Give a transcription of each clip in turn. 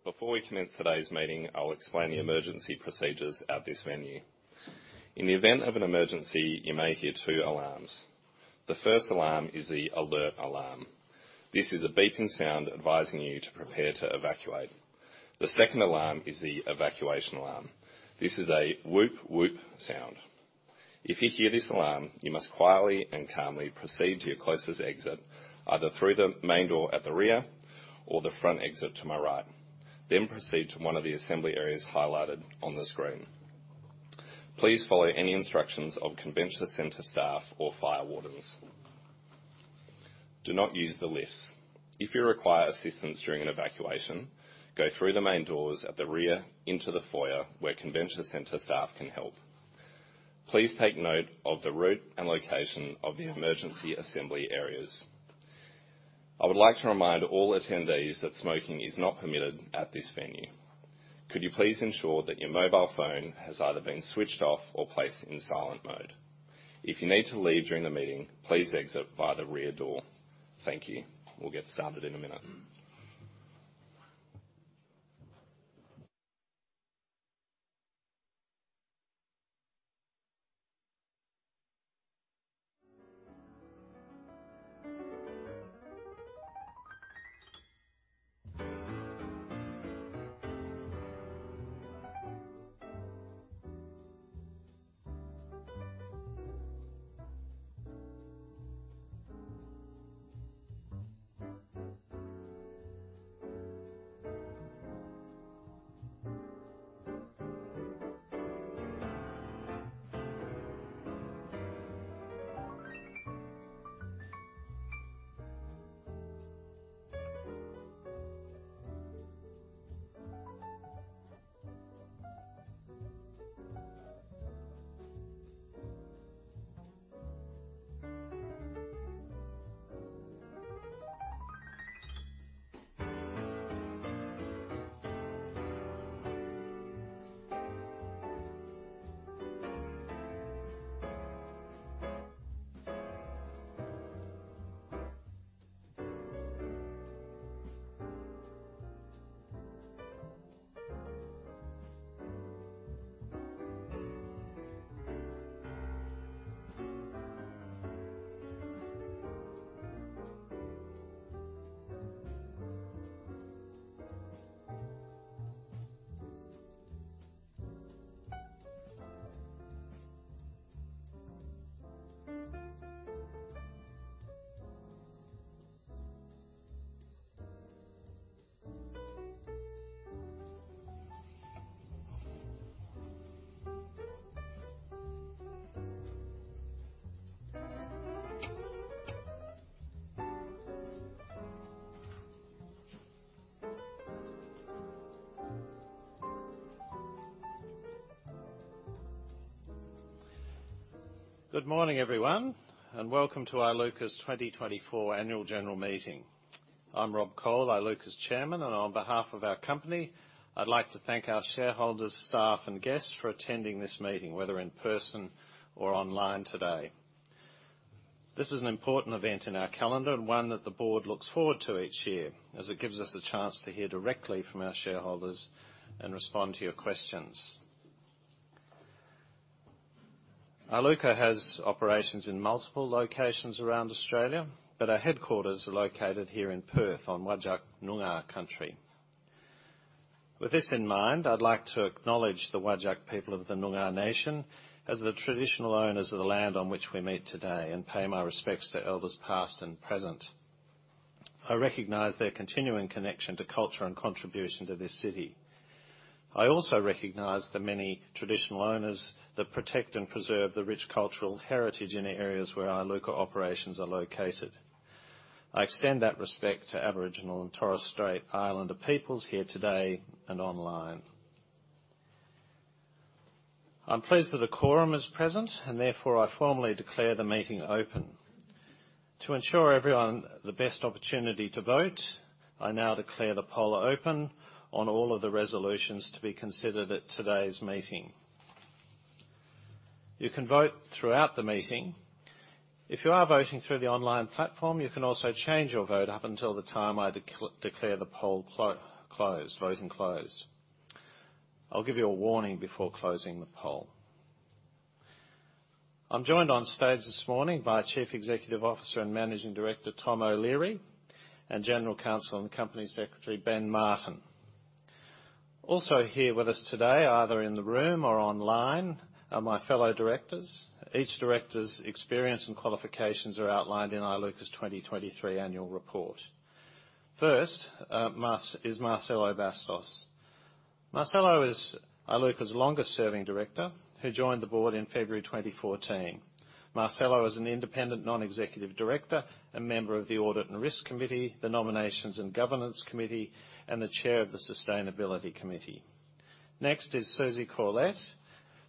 Good morning, everyone. Before we commence today's meeting, I'll explain the emergency procedures at this venue. In the event of an emergency, you may hear two alarms. The first alarm is the alert alarm. This is a beeping sound advising you to prepare to evacuate. The second alarm is the evacuation alarm. This is a whoop, whoop sound. If you hear this alarm, you must quietly and calmly proceed to your closest exit, either through the main door at the rear or the front exit to my right, then proceed to one of the assembly areas highlighted on the screen. Please follow any instructions of convention center staff or fire wardens. Do not use the lifts. If you require assistance during an evacuation, go through the main doors at the rear into the foyer, where convention center staff can help. Please take note of the route and location of the emergency assembly areas. I would like to remind all attendees that smoking is not permitted at this venue. Could you please ensure that your mobile phone has either been switched off or placed in silent mode? If you need to leave during the meeting, please exit via the rear door. Thank you. We'll get started in a minute. Good morning, everyone, and welcome to Iluka's 2024 Annual General Meeting. I'm Rob Cole, Iluka's Chairman, and on behalf of our company, I'd like to thank our shareholders, staff, and guests for attending this meeting, whether in person or online today. This is an important event in our calendar and one that the Board looks forward to each year, as it gives us a chance to hear directly from our shareholders and respond to your questions. Iluka has operations in multiple locations around Australia, but our headquarters are located here in Perth, on Whadjuk Noongar country. With this in mind, I'd like to acknowledge the Whadjuk people of the Noongar Nation as the traditional owners of the land on which we meet today, and pay my respects to elders, past and present. I recognize their continuing connection to culture and contribution to this city. I also recognize the many traditional owners that protect and preserve the rich cultural heritage in the areas where Iluka operations are located. I extend that respect to Aboriginal and Torres Strait Islander peoples here today and online. I'm pleased that a quorum is present, and therefore I formally declare the meeting open. To ensure everyone the best opportunity to vote, I now declare the poll open on all of the resolutions to be considered at today's meeting. You can vote throughout the meeting. If you are voting through the online platform, you can also change your vote up until the time I declare the poll closed, voting closed. I'll give you a warning before closing the poll. I'm joined on stage this morning by Chief Executive Officer and Managing Director, Tom O'Leary, and General Counsel and Company Secretary, Ben Martin. Also here with us today, either in the room or online, are my fellow directors. Each director's experience and qualifications are outlined in Iluka's 2023 Annual Report. First is Marcelo Bastos. Marcelo is Iluka's longest-serving Director, who joined the Board in February 2014. Marcelo is independent Non-Executive Director and member of the Audit and Risk Committee, the Nominations and Governance Committee, and the Chair of the Sustainability Committee. Next is Susie Corlett,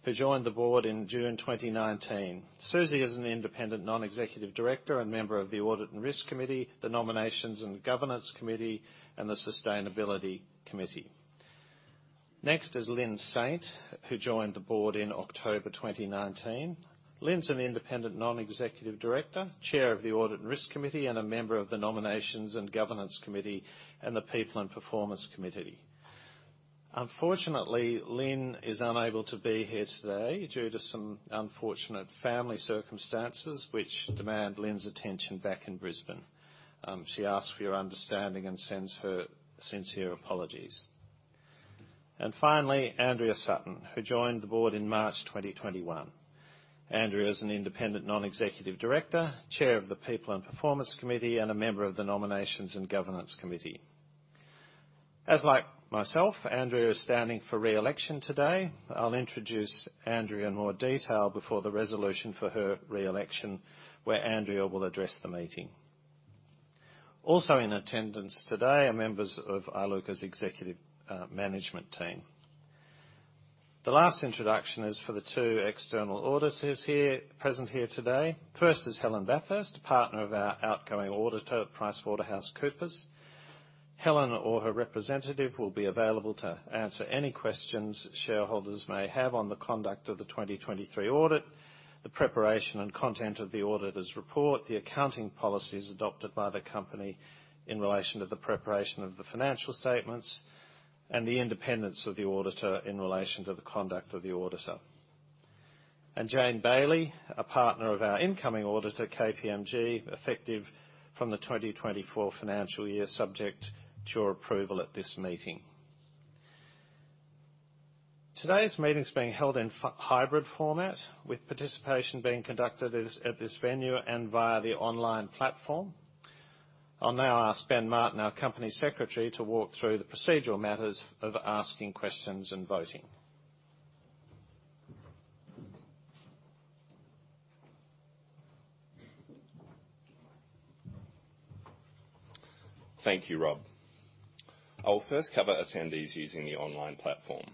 who joined the Board in June 2019. Susie is independent Non-Executive Director and member of the Audit and Risk Committee, the Nominations and Governance Committee, and the Sustainability Committee. Next is Lynne Saint, who joined the Board in October 2019. Lynne's independent Non-Executive Director, chair of the Audit and Risk Committee, and a member of the Nominations and Governance Committee and the People and Performance Committee. Unfortunately, Lynne is unable to be here today due to some unfortunate family circumstances which demand Lynne's attention back in Brisbane. She asks for your understanding and sends her sincere apologies. And finally, Andrea Sutton, who joined the Board in March 2021. Andrea is independent Non-Executive Director, chair of the People and Performance Committee, and a member of the Nominations and Governance Committee. As like myself, Andrea is standing for re-election today. I'll introduce Andrea in more detail before the resolution for her re-election, where Andrea will address the meeting. Also in attendance today are members of Iluka's executive, management team. The last introduction is for the two external auditors here, present here today. First is Helen Bathurst, partner of our outgoing auditor, PricewaterhouseCoopers. Helen or her representative will be available to answer any questions shareholders may have on the conduct of the 2023 audit, the preparation and content of the Auditor's Report, the accounting policies adopted by the company in relation to the preparation of the financial statements, and the independence of the auditor in relation to the conduct of the auditor. Jane Bailey, a partner of our incoming auditor, KPMG, effective from the 2024 financial year, subject to your approval at this meeting. Today's meeting is being held in a hybrid format, with participation being conducted at this venue and via the online platform. I'll now ask Ben Martin, our Company Secretary, to walk through the procedural matters of asking questions and voting. Thank you, Rob. I will first cover attendees using the online platform.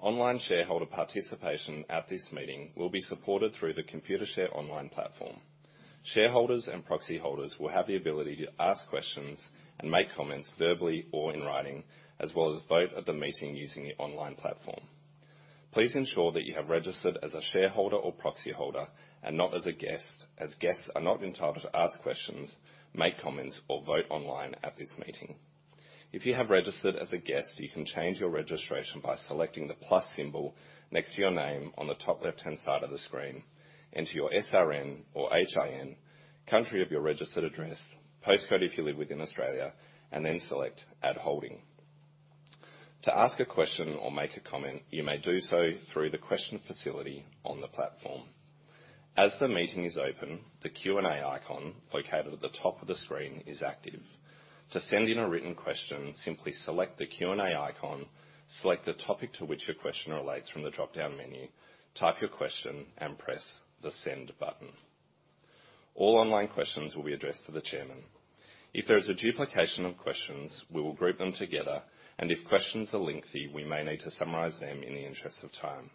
Online shareholder participation at this meeting will be supported through the Computershare online platform. Shareholders and proxy holders will have the ability to ask questions and make comments verbally or in writing, as well as vote at the meeting using the online platform. Please ensure that you have registered as a shareholder or proxy holder and not as a guest, as guests are not entitled to ask questions, make comments, or vote online at this meeting. If you have registered as a guest, you can change your registration by selecting the plus symbol next to your name on the top left-hand side of the screen. Enter your SRN or HIN, country of your registered address, postcode if you live within Australia, and then select Add Holding. To ask a question or make a comment, you may do so through the question facility on the platform. As the meeting is open, the Q&A icon located at the top of the screen is active. To send in a written question, simply select the Q&A icon, select the topic to which your question relates from the dropdown menu, type your question, and press the Send button. All online questions will be addressed to the chairman. If there is a duplication of questions, we will group them together, and if questions are lengthy, we may need to summarize them in the interest of time.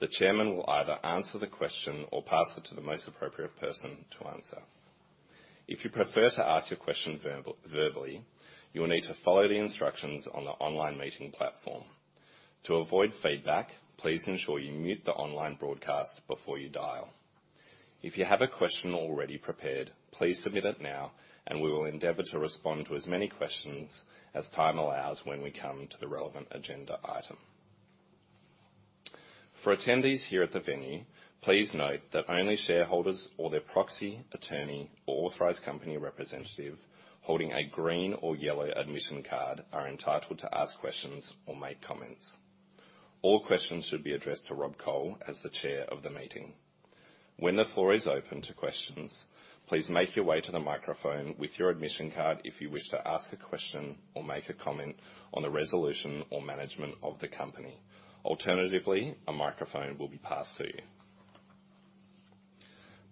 The chairman will either answer the question or pass it to the most appropriate person to answer. If you prefer to ask your question verbally, you will need to follow the instructions on the online meeting platform. To avoid feedback, please ensure you mute the online broadcast before you dial. If you have a question already prepared, please submit it now, and we will endeavor to respond to as many questions as time allows when we come to the relevant agenda item. For attendees here at the venue, please note that only shareholders or their proxy, attorney, or authorized company representative holding a green or yellow admission card are entitled to ask questions or make comments. All questions should be addressed to Rob Cole as the Chair of the meeting. When the floor is open to questions, please make your way to the microphone with your admission card if you wish to ask a question or make a comment on the resolution or management of the company. Alternatively, a microphone will be passed to you.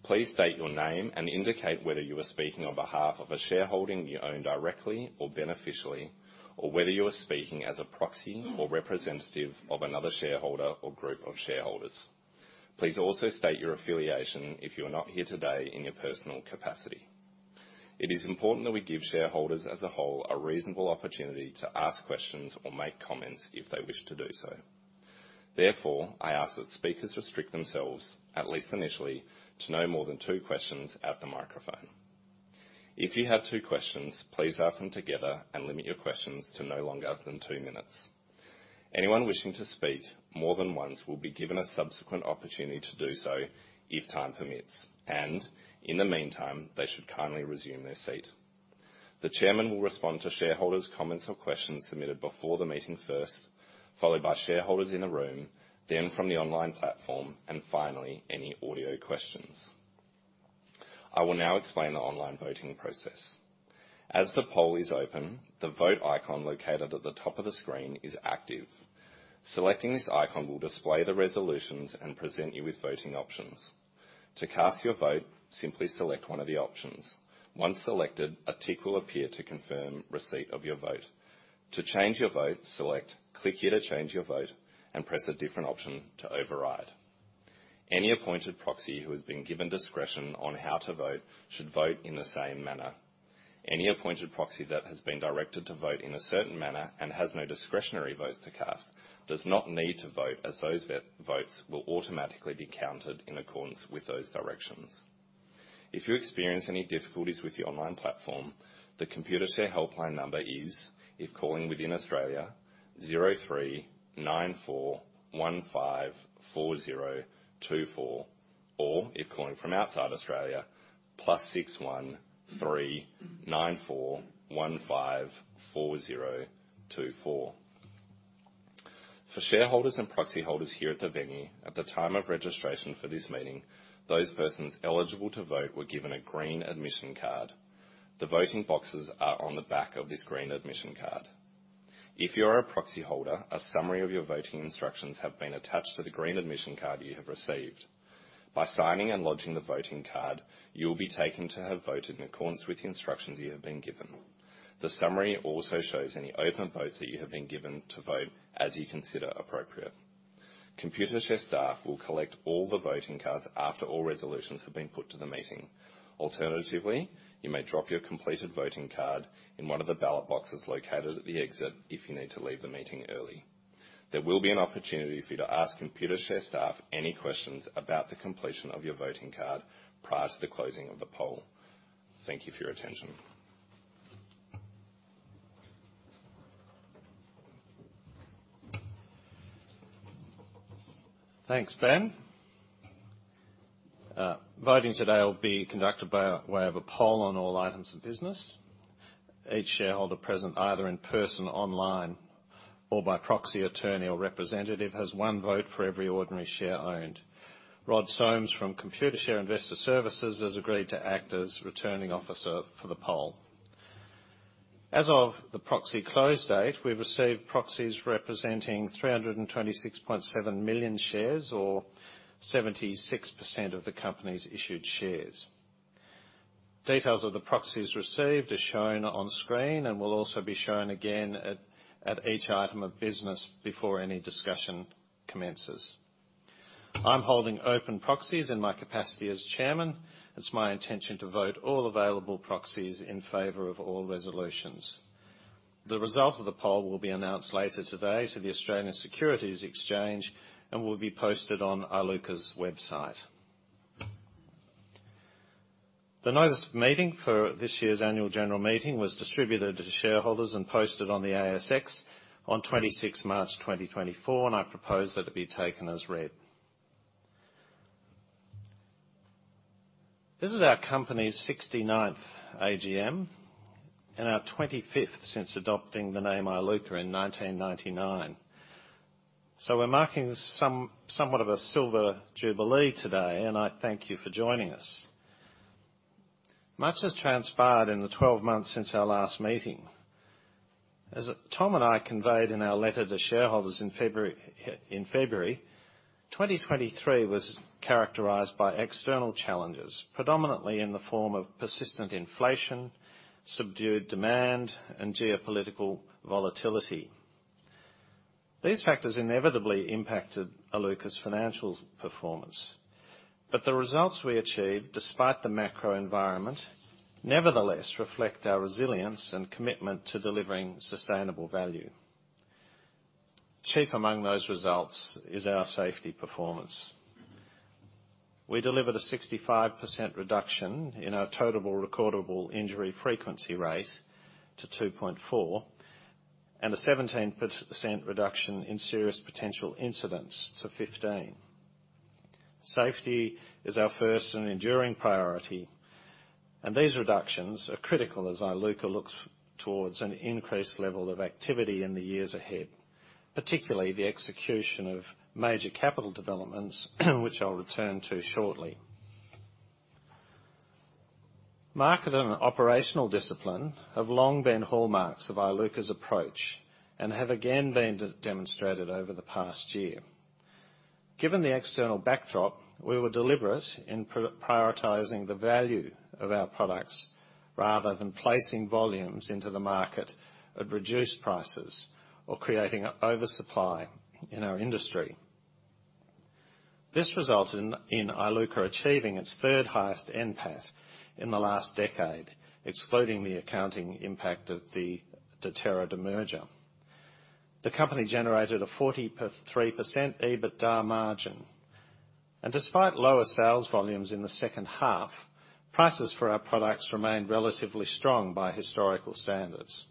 Please state your name and indicate whether you are speaking on behalf of a shareholding you own directly or beneficially, or whether you are speaking as a proxy or representative of another shareholder or group of shareholders. Please also state your affiliation if you are not here today in your personal capacity. It is important that we give shareholders as a whole a reasonable opportunity to ask questions or make comments if they wish to do so. Therefore, I ask that speakers restrict themselves, at least initially, to no more than two questions at the microphone. If you have two questions, please ask them together and limit your questions to no longer than two minutes. Anyone wishing to speak more than once will be given a subsequent opportunity to do so if time permits, and in the meantime, they should kindly resume their seat. The chairman will respond to shareholders' comments or questions submitted before the meeting first, followed by shareholders in the room, then from the online platform, and finally, any audio questions. I will now explain the online voting process. As the poll is open, the Vote icon located at the top of the screen is active. Selecting this icon will display the resolutions and present you with voting options. To cast your vote, simply select one of the options. Once selected, a tick will appear to confirm receipt of your vote. To change your vote, select Click here to change your vote and press a different option to override.... Any appointed proxy who has been given discretion on how to vote, should vote in the same manner. Any appointed proxy that has been directed to vote in a certain manner and has no discretionary votes to cast does not need to vote, as those votes will automatically be counted in accordance with those directions. If you experience any difficulties with the online platform, the Computershare helpline number is, if calling within Australia, 03 9415 4024, or if calling from outside Australia, +61 3 9415 4024. For shareholders and proxy holders here at the venue, at the time of registration for this meeting, those persons eligible to vote were given a green admission card. The voting boxes are on the back of this green admission card. If you are a proxy holder, a summary of your voting instructions have been attached to the green admission card you have received. By signing and lodging the voting card, you will be taken to have voted in accordance with the instructions you have been given. The summary also shows any open votes that you have been given to vote as you consider appropriate. Computershare staff will collect all the voting cards after all resolutions have been put to the meeting. Alternatively, you may drop your completed voting card in one of the ballot boxes located at the exit if you need to leave the meeting early. There will be an opportunity for you to ask Computershare staff any questions about the completion of your voting card prior to the closing of the poll. Thank you for your attention. Thanks, Ben. Voting today will be conducted by way of a poll on all items of business. Each shareholder present, either in person, online, or by proxy, attorney, or representative, has one vote for every ordinary share owned. Rod Somes from Computershare Investor Services has agreed to act as Returning Officer for the poll. As of the proxy close date, we've received proxies representing 326.7 million shares, or 76% of the company's issued shares. Details of the proxies received are shown on screen and will also be shown again at each item of business before any discussion commences. I'm holding open proxies in my capacity as Chairman. It's my intention to vote all available proxies in favor of all resolutions. The result of the poll will be announced later today to the Australian Securities Exchange and will be posted on Iluka's website. The notice of meeting for this year's Annual General Meeting was distributed to shareholders and posted on the ASX on 26th March 2024, and I propose that it be taken as read. This is our company's 69th AGM, and our 25th since adopting the name Iluka in 1999. So we're marking somewhat of a silver jubilee today, and I thank you for joining us. Much has transpired in the 12 months since our last meeting. As Tom and I conveyed in our letter to shareholders in February, in February, 2023 was characterized by external challenges, predominantly in the form of persistent inflation, subdued demand, and geopolitical volatility. These factors inevitably impacted Iluka's financial performance, but the results we achieved, despite the macro environment, nevertheless reflect our resilience and commitment to delivering sustainable value. Chief among those results is our safety performance. We delivered a 65% reduction in our total recordable injury frequency rate to 2.4, and a 17% reduction in serious potential incidents to 15. Safety is our first and enduring priority, and these reductions are critical as Iluka looks towards an increased level of activity in the years ahead, particularly the execution of major capital developments, which I'll return to shortly. Market and operational discipline have long been hallmarks of Iluka's approach and have again been demonstrated over the past year. Given the external backdrop, we were deliberate in prioritizing the value of our products, rather than placing volumes into the market at reduced prices or creating an oversupply in our industry. This resulted in Iluka achieving its third highest NPAT in the last decade, excluding the accounting impact of the Deterra demerger. The company generated a 43% EBITDA margin, and despite lower sales volumes in the second half, prices for our products remained relatively strong by historical standards.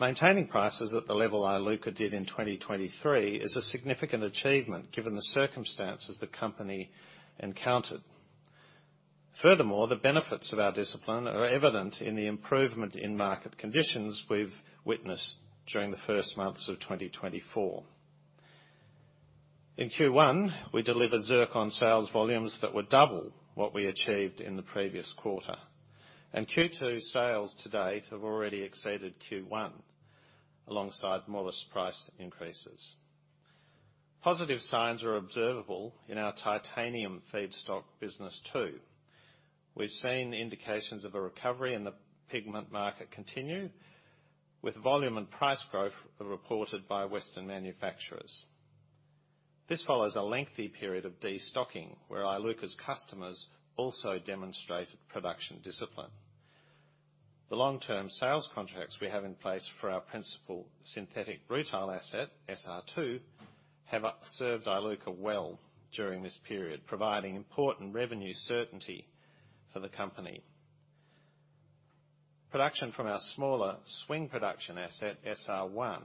Maintaining prices at the level Iluka did in 2023 is a significant achievement, given the circumstances the company encountered. Furthermore, the benefits of our discipline are evident in the improvement in market conditions we've witnessed during the first months of 2024. In Q1, we delivered zircon sales volumes that were double what we achieved in the previous quarter, and Q2 sales to date have already exceeded Q1, alongside modest price increases. Positive signs are observable in our titanium feedstock business, too. We've seen indications of a recovery in the pigment market continue with volume and price growth reported by Western manufacturers. This follows a lengthy period of destocking, where Iluka's customers also demonstrated production discipline. The long-term sales contracts we have in place for our principal synthetic rutile asset, SR2, have served Iluka well during this period, providing important revenue certainty for the company. Production from our smaller swing production asset, SR1,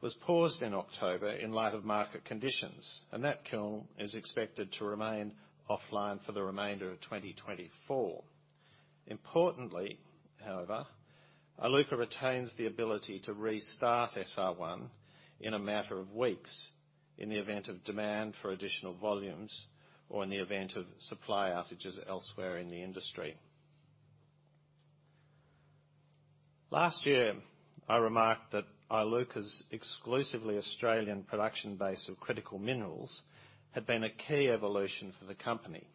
was paused in October in light of market conditions, and that kiln is expected to remain offline for the remainder of 2024. Importantly, however, Iluka retains the ability to restart SR1 in a matter of weeks in the event of demand for additional volumes or in the event of supply outages elsewhere in the industry. Last year, I remarked that Iluka's exclusively Australian production base of critical minerals had been a key evolution for the company.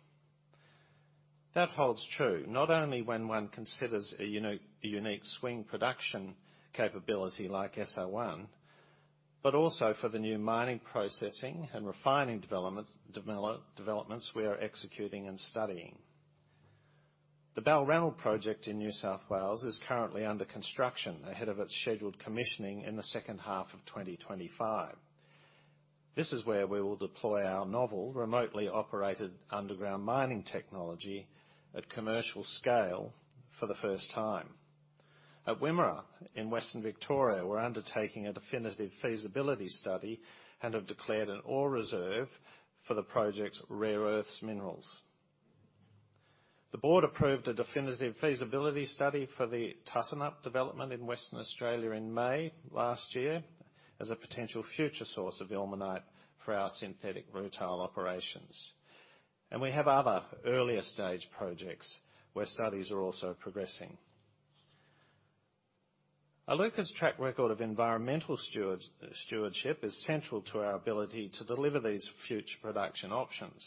That holds true, not only when one considers a unique swing production capability like SR1, but also for the new mining, processing, and refining developments we are executing and studying. The Balranald project in New South Wales is currently under construction, ahead of its scheduled commissioning in the second half of 2025. This is where we will deploy our novel, remotely operated underground mining technology at commercial scale for the first time. At Wimmera, in Western Victoria, we're undertaking a definitive feasibility study and have declared an Ore Reserve for the project's rare earths minerals. The Board approved a definitive feasibility study for the Tutunup development in Western Australia in May last year, as a potential future source of ilmenite for our synthetic rutile operations. And we have other earlier stage projects, where studies are also progressing. Iluka's track record of environmental stewardship is central to our ability to deliver these future production options.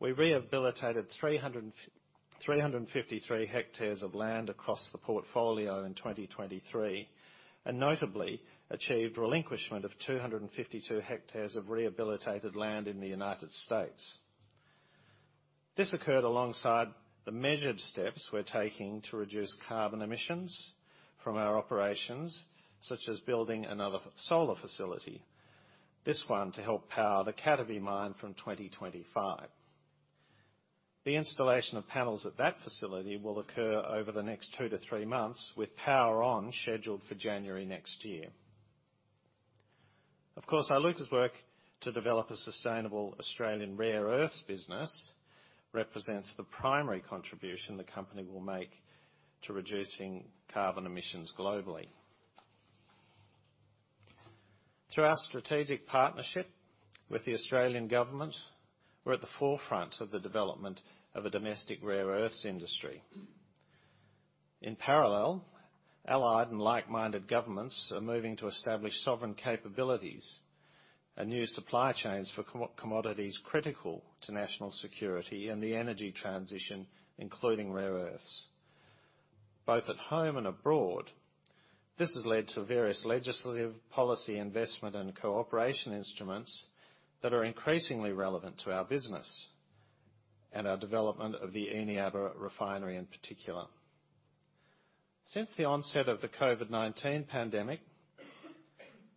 We rehabilitated 353 hectares of land across the portfolio in 2023, and notably achieved relinquishment of 252 hectares of rehabilitated land in the United States. This occurred alongside the measured steps we're taking to reduce carbon emissions from our operations, such as building another solar facility, this one to help power the Cataby mine from 2025. The installation of panels at that facility will occur over the next 2-3 months, with power on scheduled for January next year. Of course, Iluka's work to develop a sustainable Australian rare earths business represents the primary contribution the company will make to reducing carbon emissions globally. Through our strategic partnership with the Australian government, we're at the forefront of the development of a domestic rare earths industry. In parallel, allied and like-minded governments are moving to establish sovereign capabilities and new supply chains for commodities critical to national security and the energy transition, including rare earths. Both at home and abroad, this has led to various legislative policy investment and cooperation instruments that are increasingly relevant to our business and our development of the Eneabba refinery in particular. Since the onset of the COVID-19 pandemic,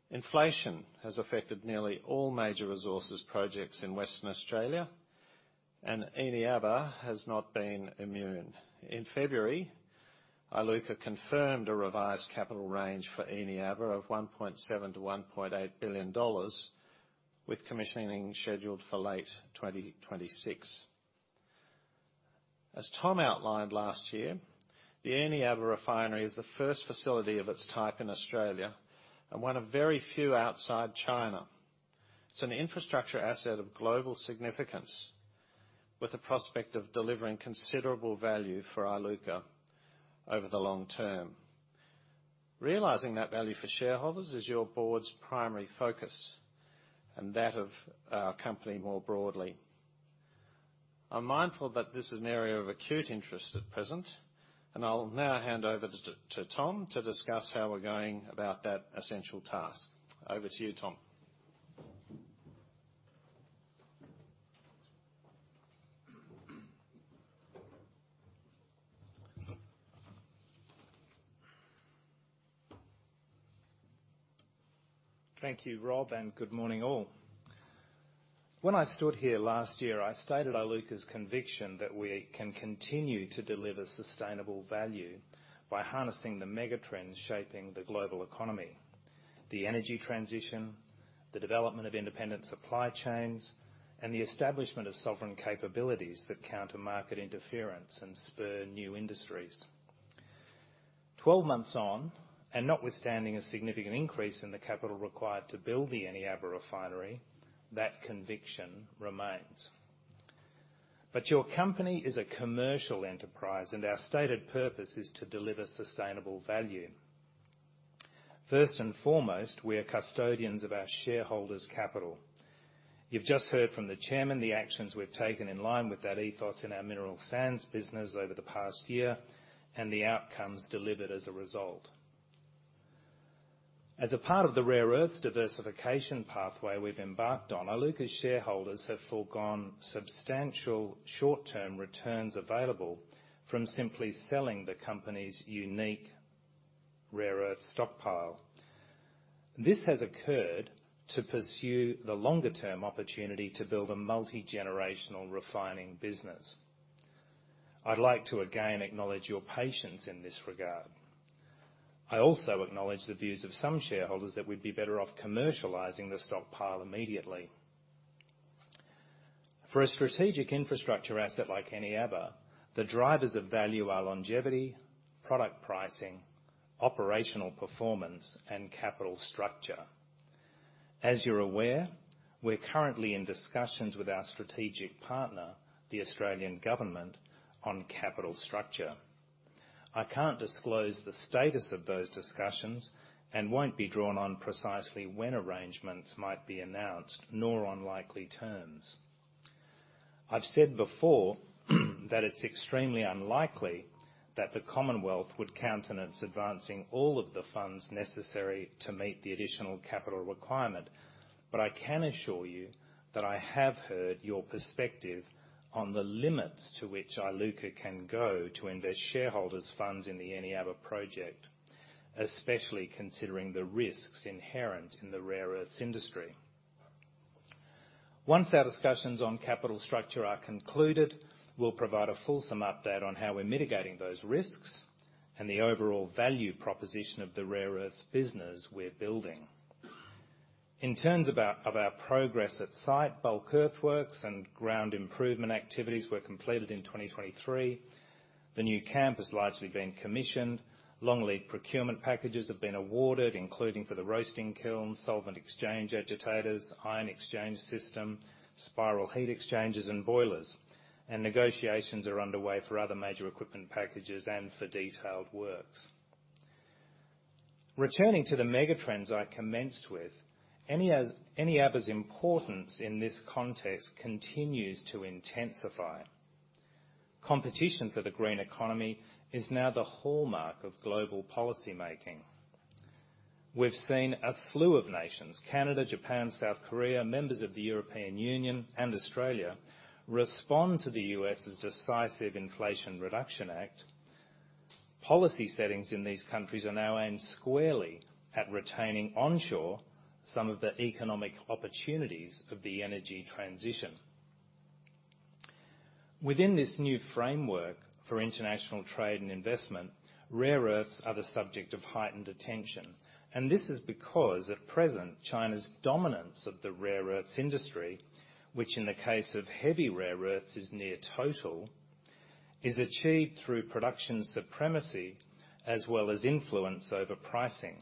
inflation has affected nearly all major resources projects in Western Australia, and Eneabba has not been immune. In February, Iluka confirmed a revised capital range for Eneabba of 1.7 billion-1.8 billion dollars, with commissioning scheduled for late 2026. As Tom outlined last year, the Eneabba refinery is the first facility of its type in Australia, and one of very few outside China. It's an infrastructure asset of global significance, with the prospect of delivering considerable value for Iluka over the long term. Realizing that value for shareholders is your Board's primary focus, and that of our company more broadly. I'm mindful that this is an area of acute interest at present, and I'll now hand over to Tom to discuss how we're going about that essential task. Over to you, Tom. Thank you, Rob, and good morning, all. When I stood here last year, I stated Iluka's conviction that we can continue to deliver sustainable value by harnessing the mega trends shaping the global economy, the energy transition, the development of independent supply chains, and the establishment of sovereign capabilities that counter market interference and spur new industries. Twelve months on, and notwithstanding a significant increase in the capital required to build the Eneabba refinery, that conviction remains. But your company is a commercial enterprise, and our stated purpose is to deliver sustainable value. First and foremost, we are custodians of our shareholders' capital.... You've just heard from the Chairman the actions we've taken in line with that ethos in our mineral sands business over the past year, and the outcomes delivered as a result. As a part of the rare earths diversification pathway we've embarked on, Iluka's shareholders have forgone substantial short-term returns available from simply selling the company's unique rare earth stockpile. This has occurred to pursue the longer-term opportunity to build a multi-generational refining business. I'd like to again acknowledge your patience in this regard. I also acknowledge the views of some shareholders that we'd be better off commercializing the stockpile immediately. For a strategic infrastructure asset like Eneabba, the drivers of value are longevity, product pricing, operational performance, and capital structure. As you're aware, we're currently in discussions with our strategic partner, the Australian Government, on capital structure. I can't disclose the status of those discussions and won't be drawn on precisely when arrangements might be announced, nor on likely terms. I've said before, that it's extremely unlikely that the Commonwealth would countenance advancing all of the funds necessary to meet the additional capital requirement, but I can assure you that I have heard your perspective on the limits to which Iluka can go to invest shareholders' funds in the Eneabba project, especially considering the risks inherent in the rare earths industry. Once our discussions on capital structure are concluded, we'll provide a fulsome update on how we're mitigating those risks and the overall value proposition of the rare earths business we're building. In terms of our progress at site, bulk earthworks and ground improvement activities were completed in 2023. The new camp has largely been commissioned. Long-lead procurement packages have been awarded, including for the roasting kiln, solvent exchange agitators, ion exchange system, spiral heat exchangers, and boilers. Negotiations are underway for other major equipment packages and for detailed works. Returning to the mega trends I commenced with, Eneabba's importance in this context continues to intensify. Competition for the green economy is now the hallmark of global policymaking. We've seen a slew of nations, Canada, Japan, South Korea, members of the European Union, and Australia, respond to the U.S.'s decisive Inflation Reduction Act. Policy settings in these countries are now aimed squarely at retaining onshore some of the economic opportunities of the energy transition. Within this new framework for international trade and investment, rare earths are the subject of heightened attention, and this is because, at present, China's dominance of the rare earths industry, which in the case of heavy rare earths is near total, is achieved through production supremacy as well as influence over pricing.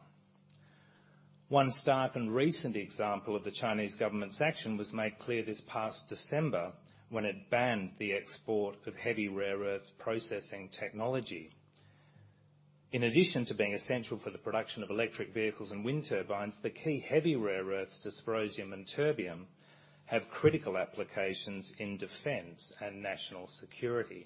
One stark and recent example of the Chinese government's action was made clear this past December, when it banned the export of heavy rare earths processing technology. In addition to being essential for the production of electric vehicles and wind turbines, the key heavy rare earths, dysprosium and terbium, have critical applications in defense and national security.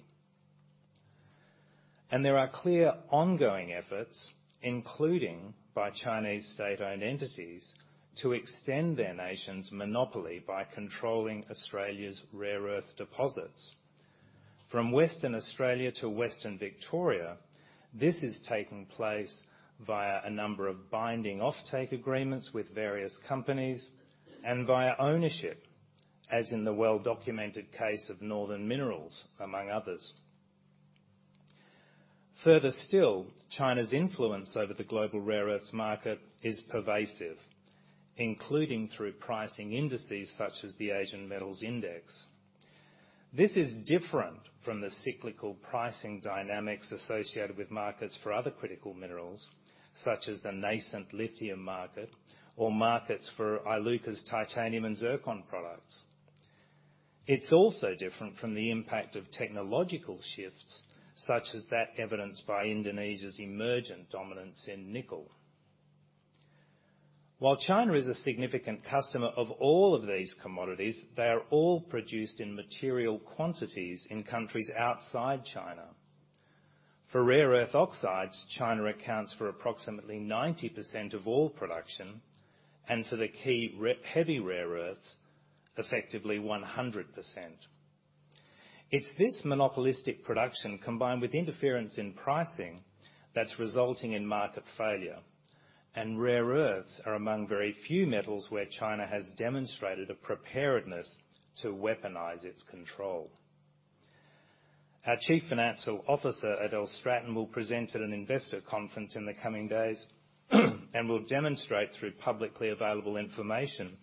There are clear ongoing efforts, including by Chinese state-owned entities, to extend their nation's monopoly by controlling Australia's rare earth deposits. From Western Australia to Western Victoria, this is taking place via a number of binding offtake agreements with various companies and via ownership, as in the well-documented case of Northern Minerals, among others. Further still, China's influence over the global rare earths market is pervasive, including through pricing indices such as the Asian Metal Index. This is different from the cyclical pricing dynamics associated with markets for other critical minerals, such as the nascent lithium market or markets for Iluka's titanium and zircon products. It's also different from the impact of technological shifts, such as that evidenced by Indonesia's emergent dominance in nickel. While China is a significant customer of all of these commodities, they are all produced in material quantities in countries outside China. For rare earth oxides, China accounts for approximately 90% of all production, and for the key heavy rare earths, effectively 100%. It's this monopolistic production, combined with interference in pricing, that's resulting in market failure, and rare earths are among very few metals where China has demonstrated a preparedness to weaponize its control. Our Chief Financial Officer, Adele Stratton, will present at an investor conference in the coming days, and will demonstrate through publicly available information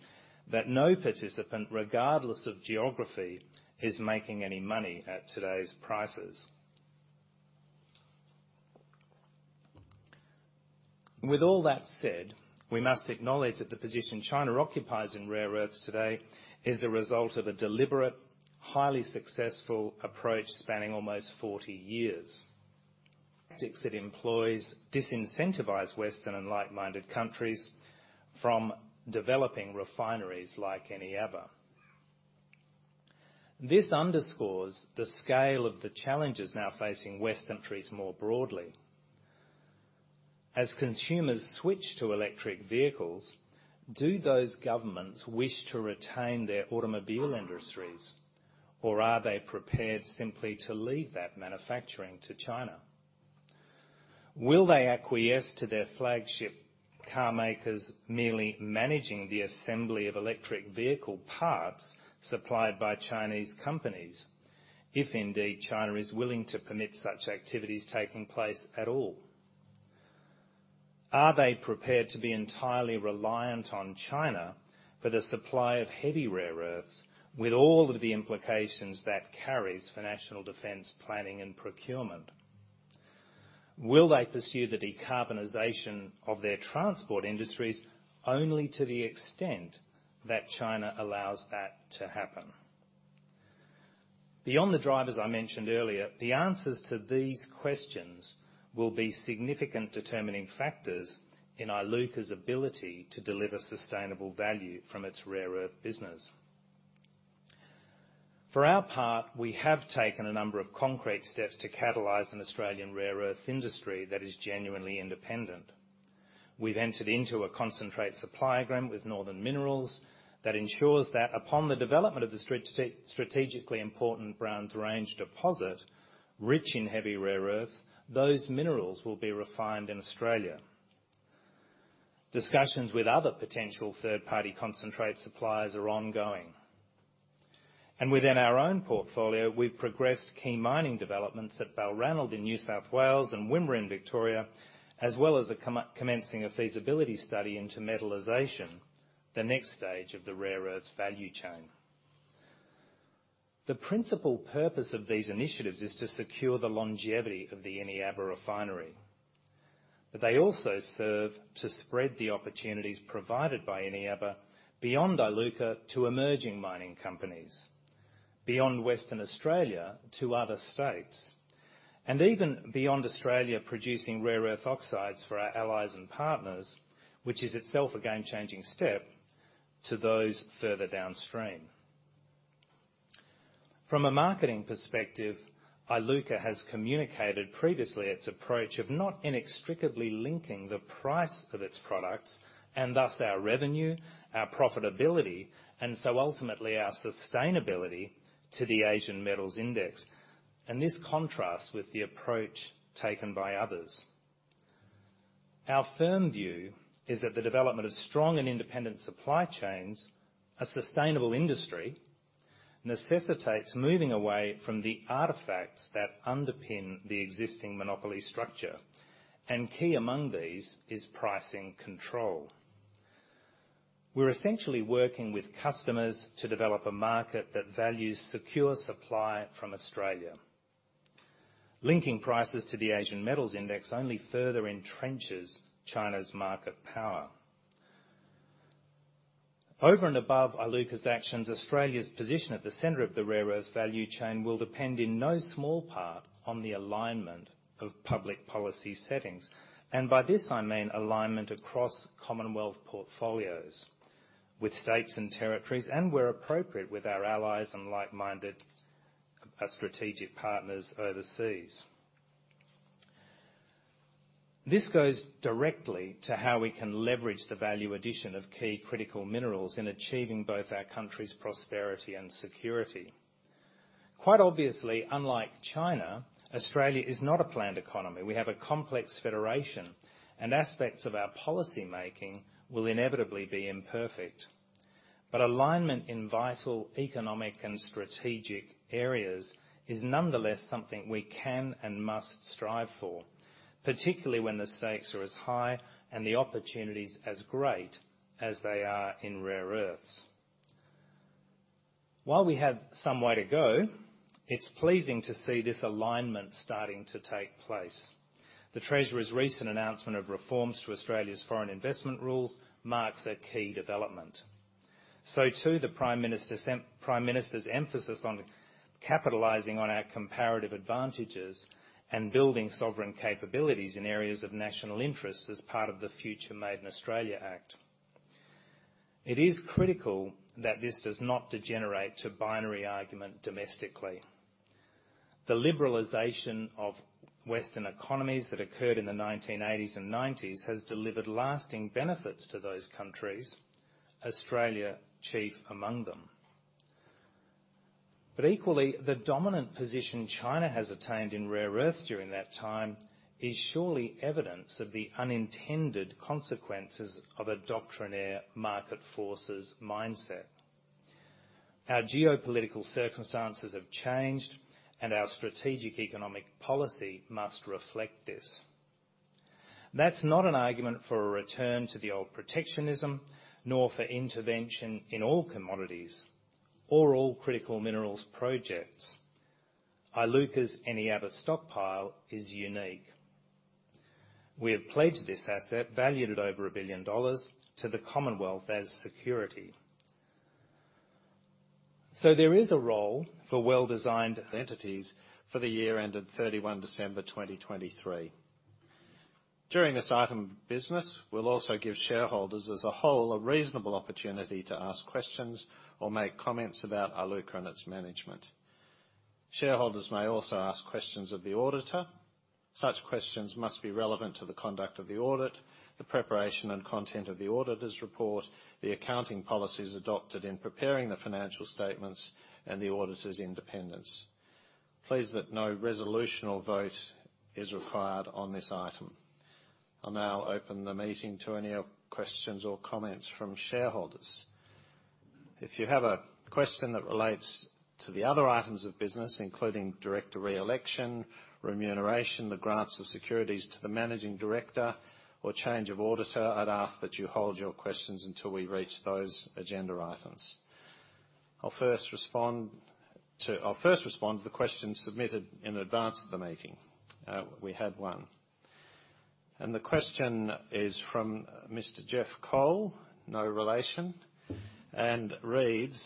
that no participant, regardless of geography, is making any money at today's prices. With all that said, we must acknowledge that the position China occupies in rare earths today is the result of a deliberate, highly successful approach spanning almost 40 years.... tactics it employs disincentivize Western and like-minded countries from developing refineries like Eneabba. This underscores the scale of the challenges now facing Western countries more broadly. As consumers switch to electric vehicles, do those governments wish to retain their automobile industries, or are they prepared simply to leave that manufacturing to China? Will they acquiesce to their flagship carmakers merely managing the assembly of electric vehicle parts supplied by Chinese companies, if indeed China is willing to permit such activities taking place at all? Are they prepared to be entirely reliant on China for the supply of heavy rare earths, with all of the implications that carries for national defense planning and procurement? Will they pursue the decarbonization of their transport industries only to the extent that China allows that to happen? Beyond the drivers I mentioned earlier, the answers to these questions will be significant determining factors in Iluka's ability to deliver sustainable value from its rare earth business. For our part, we have taken a number of concrete steps to catalyze an Australian rare earth industry that is genuinely independent. We've entered into a concentrate supply agreement with Northern Minerals that ensures that upon the development of the strategically important Browns Range deposit, rich in heavy rare earths, those minerals will be refined in Australia. Discussions with other potential third-party concentrate suppliers are ongoing. Within our own portfolio, we've progressed key mining developments at Balranald in New South Wales and Wimmera in Victoria, as well as commencing a feasibility study into metallization, the next stage of the rare earths value chain. The principal purpose of these initiatives is to secure the longevity of the Eneabba refinery, but they also serve to spread the opportunities provided by Eneabba beyond Iluka to emerging mining companies, beyond Western Australia to other states, and even beyond Australia, producing rare earth oxides for our allies and partners, which is itself a game-changing step to those further downstream. From a marketing perspective, Iluka has communicated previously its approach of not inextricably linking the price of its products, and thus our revenue, our profitability, and so ultimately, our sustainability to the Asian Metal Index. This contrasts with the approach taken by others. Our firm view is that the development of strong and independent supply chains, a sustainable industry, necessitates moving away from the artifacts that underpin the existing monopoly structure, and key among these is pricing control. We're essentially working with customers to develop a market that values secure supply from Australia. Linking prices to the Asian Metal Index only further entrenches China's market power. Over and above Iluka's actions, Australia's position at the center of the rare earths value chain will depend, in no small part, on the alignment of public policy settings, and by this I mean alignment across commonwealth portfolios with states and territories, and where appropriate, with our allies and like-minded, strategic partners overseas. This goes directly to how we can leverage the value addition of key critical minerals in achieving both our country's prosperity and security. Quite obviously, unlike China, Australia is not a planned economy. We have a complex federation, and aspects of our policymaking will inevitably be imperfect. But alignment in vital economic and strategic areas is nonetheless something we can and must strive for, particularly when the stakes are as high and the opportunities as great as they are in rare earths. While we have some way to go, it's pleasing to see this alignment starting to take place. The Treasurer's recent announcement of reforms to Australia's foreign investment rules marks a key development. So, too, the Prime Minister's emphasis on capitalizing on our comparative advantages and building sovereign capabilities in areas of national interest as part of the Future Made in Australia Act. It is critical that this does not degenerate to binary argument domestically. The liberalization of Western economies that occurred in the 1980s and 1990s has delivered lasting benefits to those countries, Australia, chief among them. But equally, the dominant position China has attained in rare earths during that time is surely evidence of the unintended consequences of a doctrinaire market forces mindset. Our geopolitical circumstances have changed, and our strategic economic policy must reflect this. That's not an argument for a return to the old protectionism, nor for intervention in all commodities or all critical minerals projects. Iluka's Eneabba stockpile is unique. We have pledged this asset, valued at over $1 billion, to the Commonwealth as security.... So there is a role for well-designed entities for the year ended December 31, 2023. During this item of business, we'll also give shareholders as a whole, a reasonable opportunity to ask questions or make comments about Iluka and its management. Shareholders may also ask questions of the auditor. Such questions must be relevant to the conduct of the audit, the preparation and content of the Auditor's Report, the accounting policies adopted in preparing the financial statements, and the auditor's independence. Pleased that no resolution or vote is required on this item. I'll now open the meeting to any of questions or comments from shareholders. If you have a question that relates to the other items of business, including director re-election, remuneration, the grants of securities to the managing director, or change of auditor, I'd ask that you hold your questions until we reach those agenda items. I'll first respond to the questions submitted in advance of the meeting. We had one, and the question is from Mr. Jeff Cole, no relation, and reads: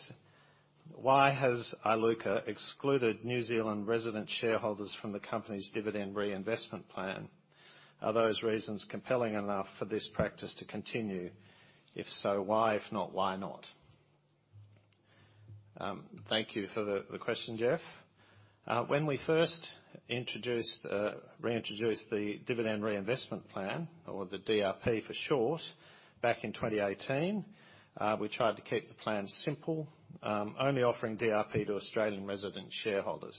Why has Iluka excluded New Zealand resident shareholders from the company's dividend reinvestment plan? Are those reasons compelling enough for this practice to continue? If so, why? If not, why not? Thank you for the question, Jeff. When we first reintroduced the dividend reinvestment plan, or the DRP for short, back in 2018, we tried to keep the plan simple, only offering DRP to Australian resident shareholders.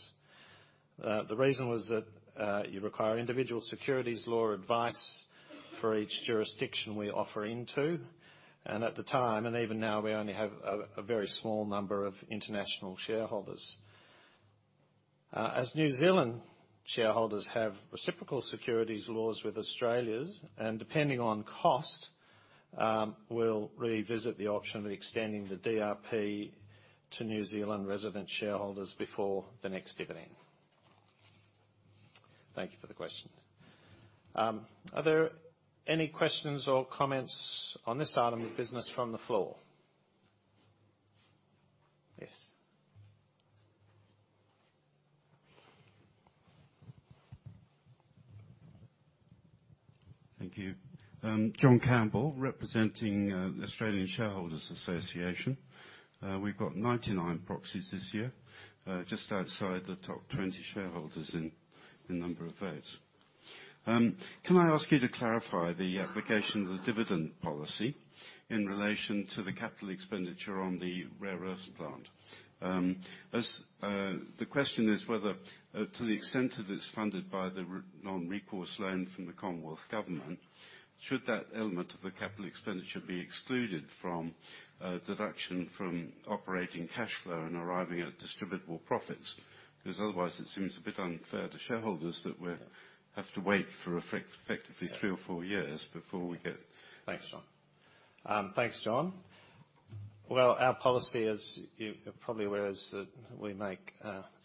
The reason was that you require individual securities law advice for each jurisdiction we offer into, and at the time, and even now, we only have a very small number of international shareholders. As New Zealand shareholders have reciprocal securities laws with Australia's, and depending on cost, we'll revisit the option of extending the DRP to New Zealand resident shareholders before the next dividend. Thank you for the question. Are there any questions or comments on this item of business from the floor? Yes. Thank you. John Campbell, representing the Australian Shareholders' Association. We've got 99 proxies this year, just outside the top 20 shareholders in number of votes. Can I ask you to clarify the application of the dividend policy in relation to the capital expenditure on the rare earth plant? As the question is whether, to the extent that it's funded by the non-recourse loan from the Commonwealth Government, should that element of the capital expenditure be excluded from deduction from operating cash flow and arriving at distributable profits? Because otherwise, it seems a bit unfair to shareholders that we have to wait effectively 3 or 4 years before we get- Thanks, John. Thanks, John. Well, our policy, as you are probably aware, is that we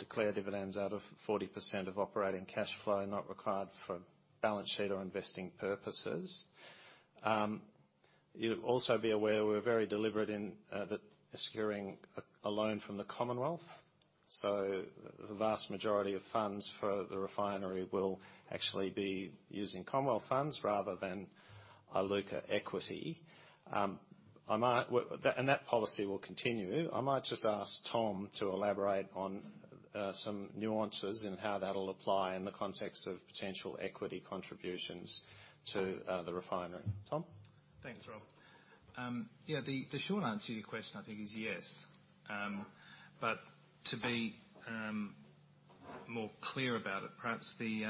declare dividends out of 40% of operating cash flow, not required for balance sheet or investing purposes. You'd also be aware we're very deliberate in that securing a loan from the Commonwealth. So the vast majority of funds for the refinery will actually be using Commonwealth funds rather than Iluka equity. And that policy will continue. I might just ask Tom to elaborate on some nuances in how that'll apply in the context of potential equity contributions to the refinery. Tom? Thanks, Rob. Yeah, the short answer to your question, I think, is yes. But to be more clear about it, perhaps, the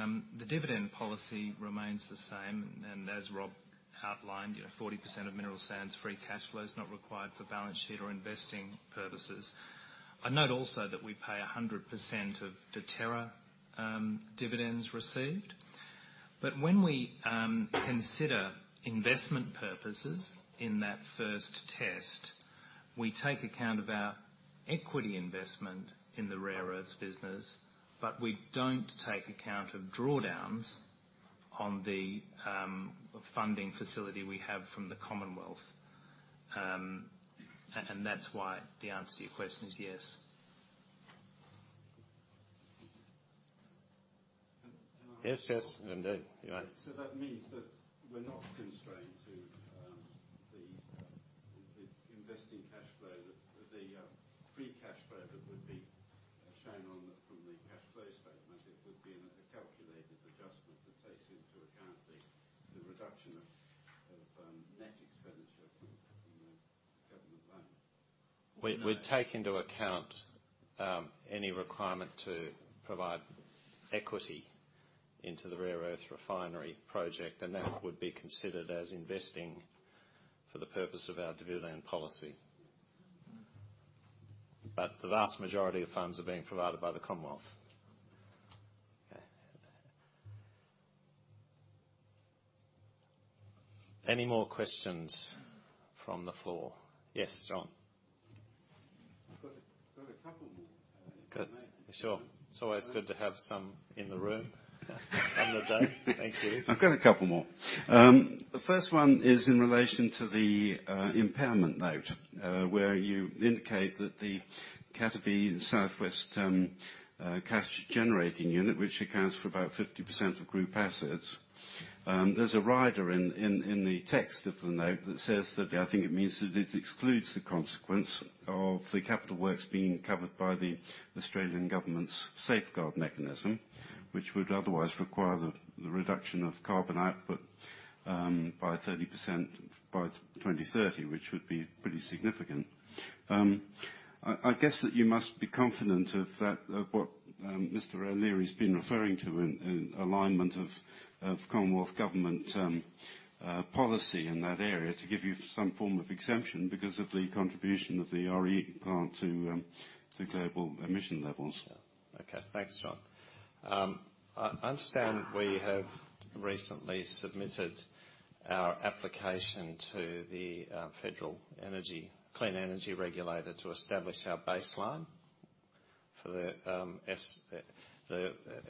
dividend policy remains the same, and as Rob outlined, you know, 40% of mineral sands free cash flow is not required for balance sheet or investing purposes. I note also that we pay 100% of the Deterra dividends received. But when we consider investment purposes in that first test, we take account of our equity investment in the rare earths business, but we don't take account of drawdowns on the funding facility we have from the Commonwealth. And that's why the answer to your question is yes. Yes, yes, indeed. You're right. So that means that we're not constrained to the investing cash flow, that the free cash flow that would be shown from the cash flow statement. It would be a calculated adjustment that takes into account the reduction of net expenditure from the government loan. We, we take into account, any requirement to provide equity into the rare earth refinery project, and that would be considered as investing for the purpose of our dividend policy. But the vast majority of funds are being provided by the Commonwealth. Okay. Any more questions from the floor? Yes, John. Perfect. Perfect.... Good. Sure. It's always good to have some in the room on the day. Thank you. I've got a couple more. The first one is in relation to the impairment note, where you indicate that the Cataby South West cash-generating unit, which accounts for about 50% of group assets. There's a rider in the text of the note that says that, I think it means that it excludes the consequence of the capital works being covered by the Australian government's Safeguard Mechanism, which would otherwise require the reduction of carbon output by 30% by 2030, which would be pretty significant. I guess that you must be confident of that, of what, Mr. O'Leary has been referring to, in alignment of Commonwealth Government policy in that area, to give you some form of exemption because of the contribution of the RE plant to global emission levels. Yeah. Okay. Thanks, John. I understand we have recently submitted our application to the federal energy-Clean Energy Regulator to establish our baseline for the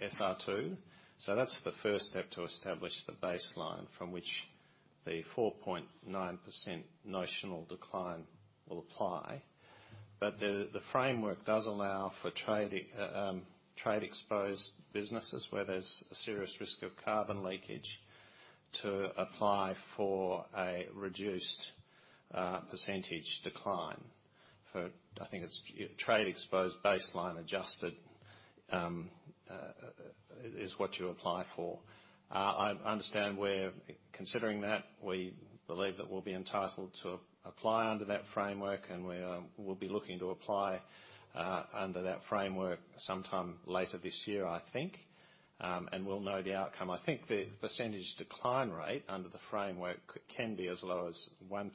SR2. So that's the first step to establish the baseline from which the 4.9% notional decline will apply. But the framework does allow for trade-exposed businesses, where there's a serious risk of carbon leakage, to apply for a reduced percentage decline. For I think it's trade-exposed baseline adjusted is what you apply for. I understand we're considering that. We believe that we'll be entitled to apply under that framework, and we will be looking to apply under that framework sometime later this year, I think. And we'll know the outcome. I think the percentage decline rate under the framework can be as low as 1%,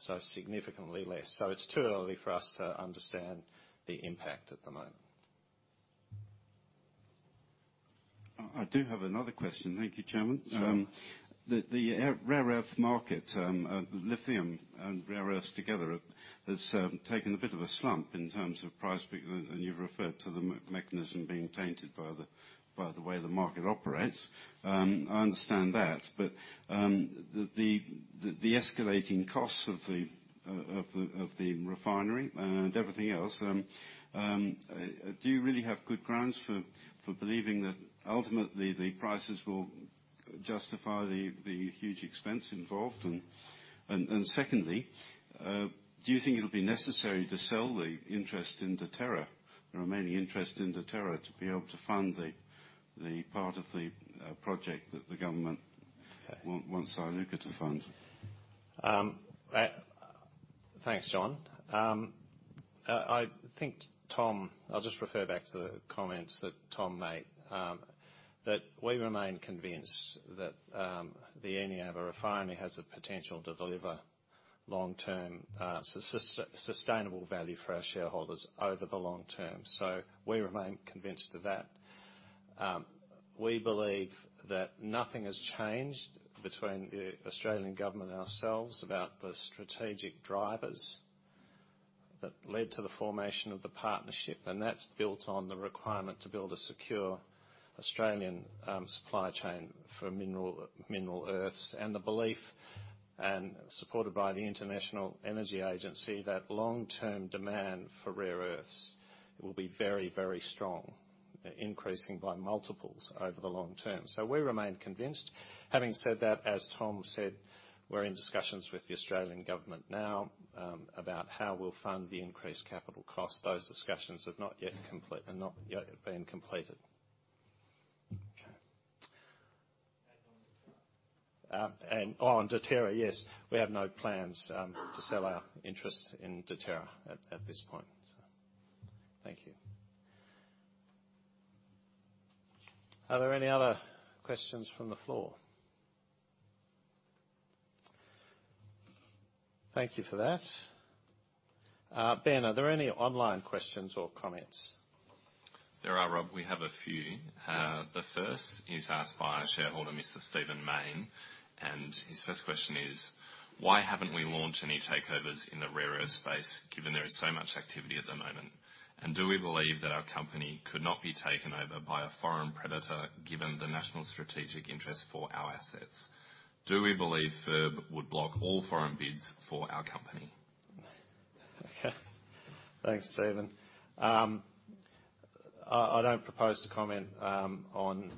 so significantly less. So it's too early for us to understand the impact at the moment. I do have another question. Thank you, Chairman. Sure. The rare earth market, lithium and rare earths together, has taken a bit of a slump in terms of price, and you've referred to the mechanism being tainted by the way the market operates. I understand that, but the escalating costs of the refinery and everything else, do you really have good grounds for believing that ultimately the prices will justify the huge expense involved? And secondly, do you think it'll be necessary to sell the interest in Deterra, the remaining interest in Deterra, to be able to fund the part of the project that the government wants Iluka to fund? Thanks, John. I think, Tom... I'll just refer back to the comments that Tom made. That we remain convinced that the Eneabba refinery has the potential to deliver long-term sustainable value for our shareholders over the long term, so we remain convinced of that. We believe that nothing has changed between the Australian government and ourselves about the strategic drivers that led to the formation of the partnership, and that's built on the requirement to build a secure Australian supply chain for rare earths. The belief, supported by the International Energy Agency, that long-term demand for rare earths will be very, very strong, increasing by multiples over the long term. So we remain convinced. Having said that, as Tom said, we're in discussions with the Australian government now about how we'll fund the increased capital costs. Those discussions have not yet been completed. Okay. And on Deterra? Oh, on Deterra, yes. We have no plans to sell our interest in Deterra at this point, so thank you. Are there any other questions from the floor? Thank you for that. Ben, are there any online questions or comments? There are, Rob. We have a few. The first is asked by a shareholder, Mr. Stephen Mayne, and his first question is: Why haven't we launched any takeovers in the rare earth space, given there is so much activity at the moment? And do we believe that our company could not be taken over by a foreign predator, given the national strategic interest for our assets? Do we believe FIRB would block all foreign bids for our company? Okay. Thanks, Stephen. I don't propose to comment on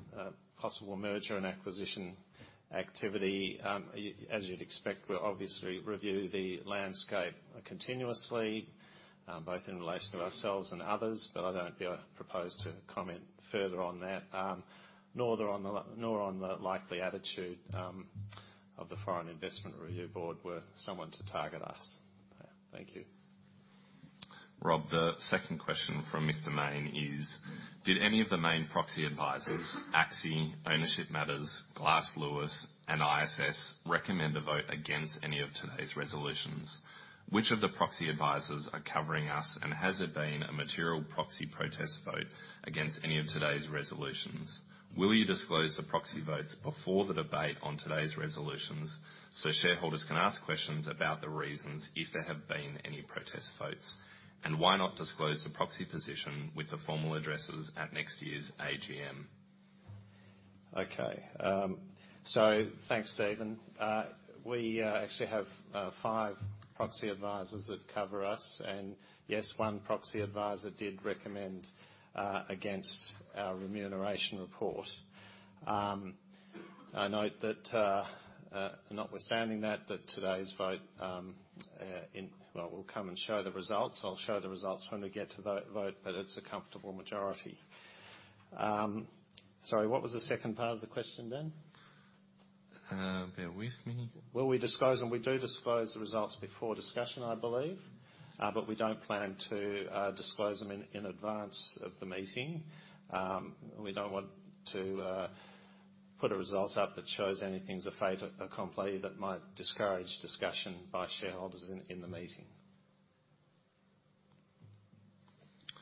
possible merger and acquisition activity. As you'd expect, we'll obviously review the landscape continuously, both in relation to ourselves and others, but I don't propose to comment further on that, nor on the likely attitude of the Foreign Investment Review Board, were someone to target us. Thank you. Rob, the second question from Mr. Mayne is: Did any of the main proxy advisors, ACSI, Ownership Matters, Glass Lewis, and ISS, recommend a vote against any of today's resolutions? Which of the proxy advisors are covering us, and has there been a material proxy protest vote against any of today's resolutions? Will you disclose the proxy votes before the debate on today's resolutions, so shareholders can ask questions about the reasons, if there have been any protest votes? And why not disclose the proxy position with the formal addresses at next year's AGM?... Okay, so thanks, Stephen. We actually have five proxy advisors that cover us, and yes, one proxy advisor did recommend against our remuneration report. I note that, notwithstanding that, today's vote, well, we'll come and show the results. I'll show the results when we get to vote, but it's a comfortable majority. Sorry, what was the second part of the question, Dan? Bear with me. Will we disclose them? We do disclose the results before discussion, I believe, but we don't plan to disclose them in advance of the meeting. We don't want to put the results up that shows anything's a fait accompli that might discourage discussion by shareholders in the meeting.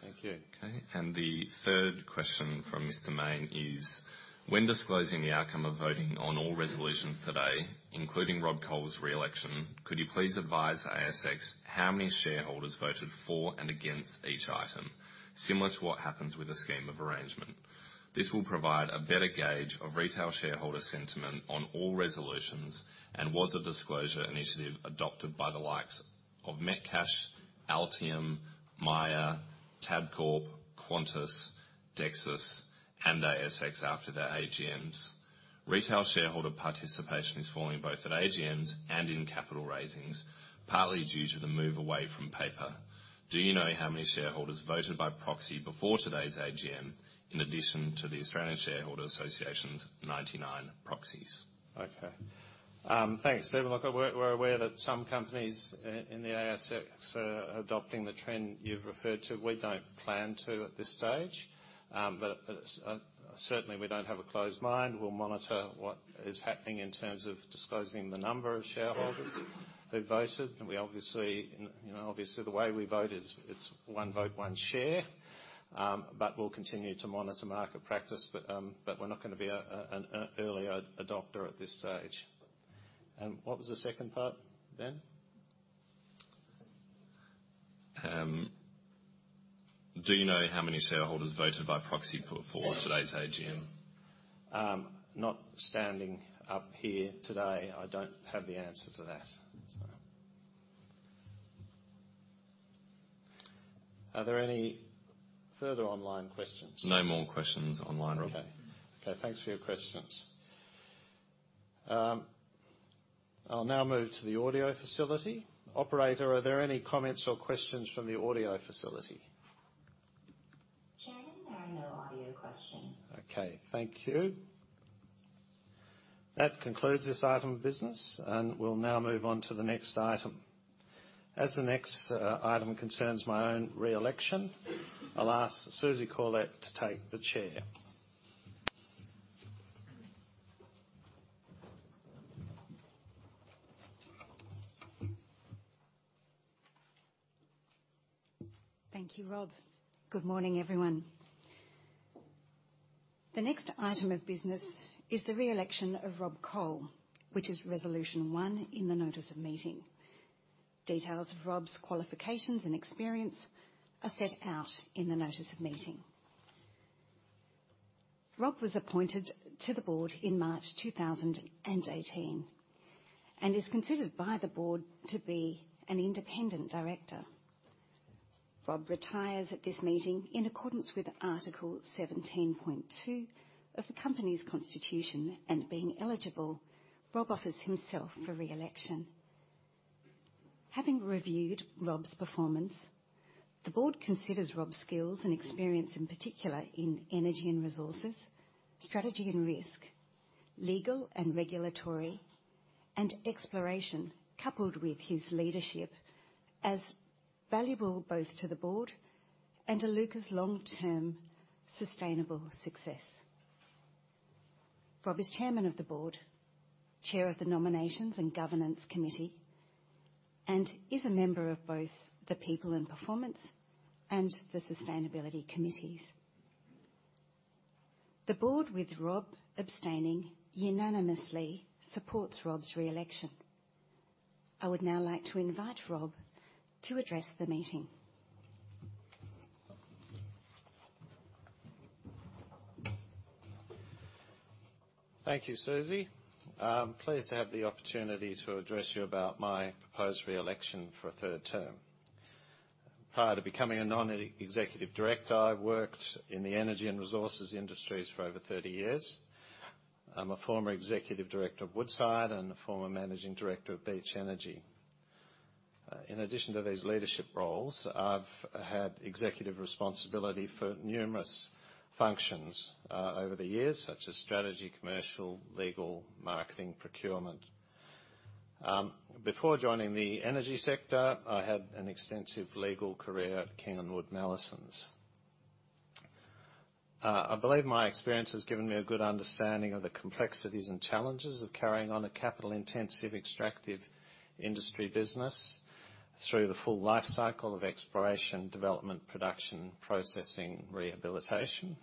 Thank you. Okay, and the third question from Mr. Mayne is: When disclosing the outcome of voting on all resolutions today, including Rob Cole's re-election, could you please advise ASX how many shareholders voted for and against each item, similar to what happens with a scheme of arrangement? This will provide a better gauge of retail shareholder sentiment on all resolutions and was a disclosure initiative adopted by the likes of Metcash, Altium, Myer, Tabcorp, Qantas, Dexus, and ASX after their AGMs. Retail shareholder participation is falling both at AGMs and in capital raisings, partly due to the move away from paper. Do you know how many shareholders voted by proxy before today's AGM, in addition to the Australian Shareholders' Association's 99 proxies? Okay. Thanks, Stephen. Look, we're aware that some companies in the ASX are adopting the trend you've referred to. We don't plan to at this stage, but certainly we don't have a closed mind. We'll monitor what is happening in terms of disclosing the number of shareholders who voted, and we obviously, you know, the way we vote is it's one vote, one share. But we'll continue to monitor market practice, but we're not gonna be an early adopter at this stage. And what was the second part, Dan? Do you know how many shareholders voted by proxy for today's AGM? Not standing up here today, I don't have the answer to that, so. Are there any further online questions? No more questions online, Rob. Okay. Okay, thanks for your questions. I'll now move to the audio facility. Operator, are there any comments or questions from the audio facility? Chairman, there are no audio questions. Okay, thank you. That concludes this item of business, and we'll now move on to the next item. As the next item concerns my own re-election, I'll ask Susie Corlett to take the chair. Thank you, Rob. Good morning, everyone. The next item of business is the re-election of Rob Cole, which is Resolution 1 in the Notice of Meeting. Details of Rob's qualifications and experience are set out in the Notice of Meeting. Rob was appointed to the Board in March 2018 and is considered by the Board to be an independent director. Rob retires at this meeting in accordance with Article 17.2 of the company's constitution, and being eligible, Rob offers himself for re-election. Having reviewed Rob's performance, the Board considers Rob's skills and experience, in particular in energy and resources, strategy and risk, legal and regulatory, and exploration, coupled with his leadership, as valuable both to the Board and to Iluka's long-term sustainable success. Rob is Chairman of the Board, Chair of the Nominations and Governance Committee, and is a member of both the People and Performance and the Sustainability Committees. The Board, with Rob abstaining, unanimously supports Rob's re-election. I would now like to invite Rob to address the meeting. Thank you, Susie. I'm pleased to have the opportunity to address you about my proposed re-election for a third term. Prior to becoming a Non-Executive Director, I worked in the energy and resources industries for over 30 years. I'm a former Executive Director of Woodside and a former managing director of Beach Energy. In addition to these leadership roles, I've had executive responsibility for numerous functions over the years, such as strategy, commercial, legal, marketing, procurement. Before joining the energy sector, I had an extensive legal career at King & Wood Mallesons. I believe my experience has given me a good understanding of the complexities and challenges of carrying on a capital-intensive, extractive industry business through the full life cycle of exploration, development, production, processing, rehabilitation.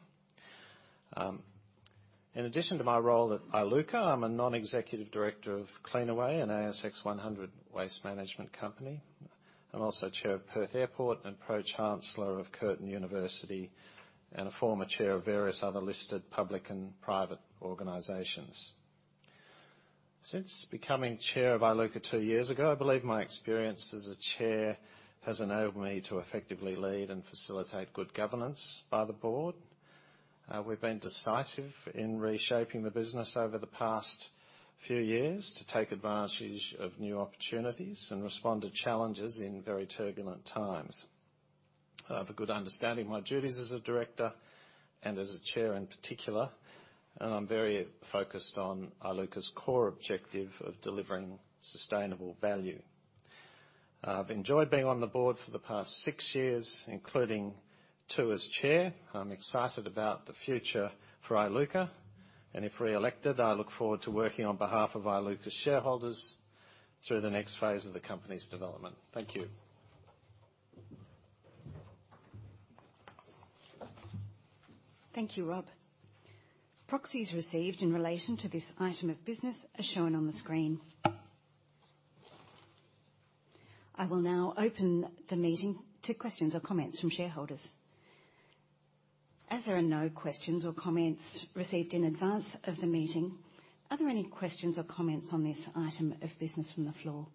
In addition to my role at Iluka, I'm a Non-Executive Director of Cleanaway, an ASX 100 waste management company. I'm also Chair of Perth Airport and Pro-Chancellor of Curtin University, and a former chair of various other listed public and private organizations. Since becoming Chair of Iluka two years ago, I believe my experience as a chair has enabled me to effectively lead and facilitate good governance by the Board. We've been decisive in reshaping the business over the past few years to take advantage of new opportunities and respond to challenges in very turbulent times. I have a good understanding of my duties as a director and as a chair in particular, and I'm very focused on Iluka's core objective of delivering sustainable value. I've enjoyed being on the Board for the past six years, including two as Chair. I'm excited about the future for Iluka, and if reelected, I look forward to working on behalf of Iluka's shareholders through the next phase of the company's development. Thank you. Thank you, Rob. Proxies received in relation to this item of business are shown on the screen. I will now open the meeting to questions or comments from shareholders. As there are no questions or comments received in advance of the meeting, are there any questions or comments on this item of business from the floor?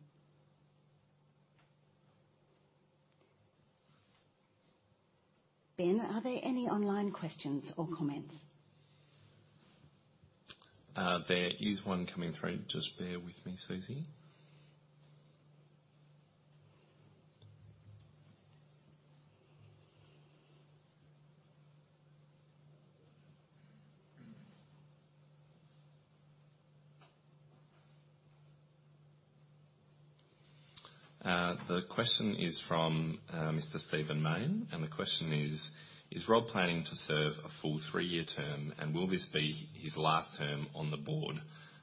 Ben, are there any online questions or comments? There is one coming through. Just bear with me, Susie. The question is from Mr. Stephen Mayne, and the question is: Is Rob planning to serve a full three-year term, and will this be his last term on the Board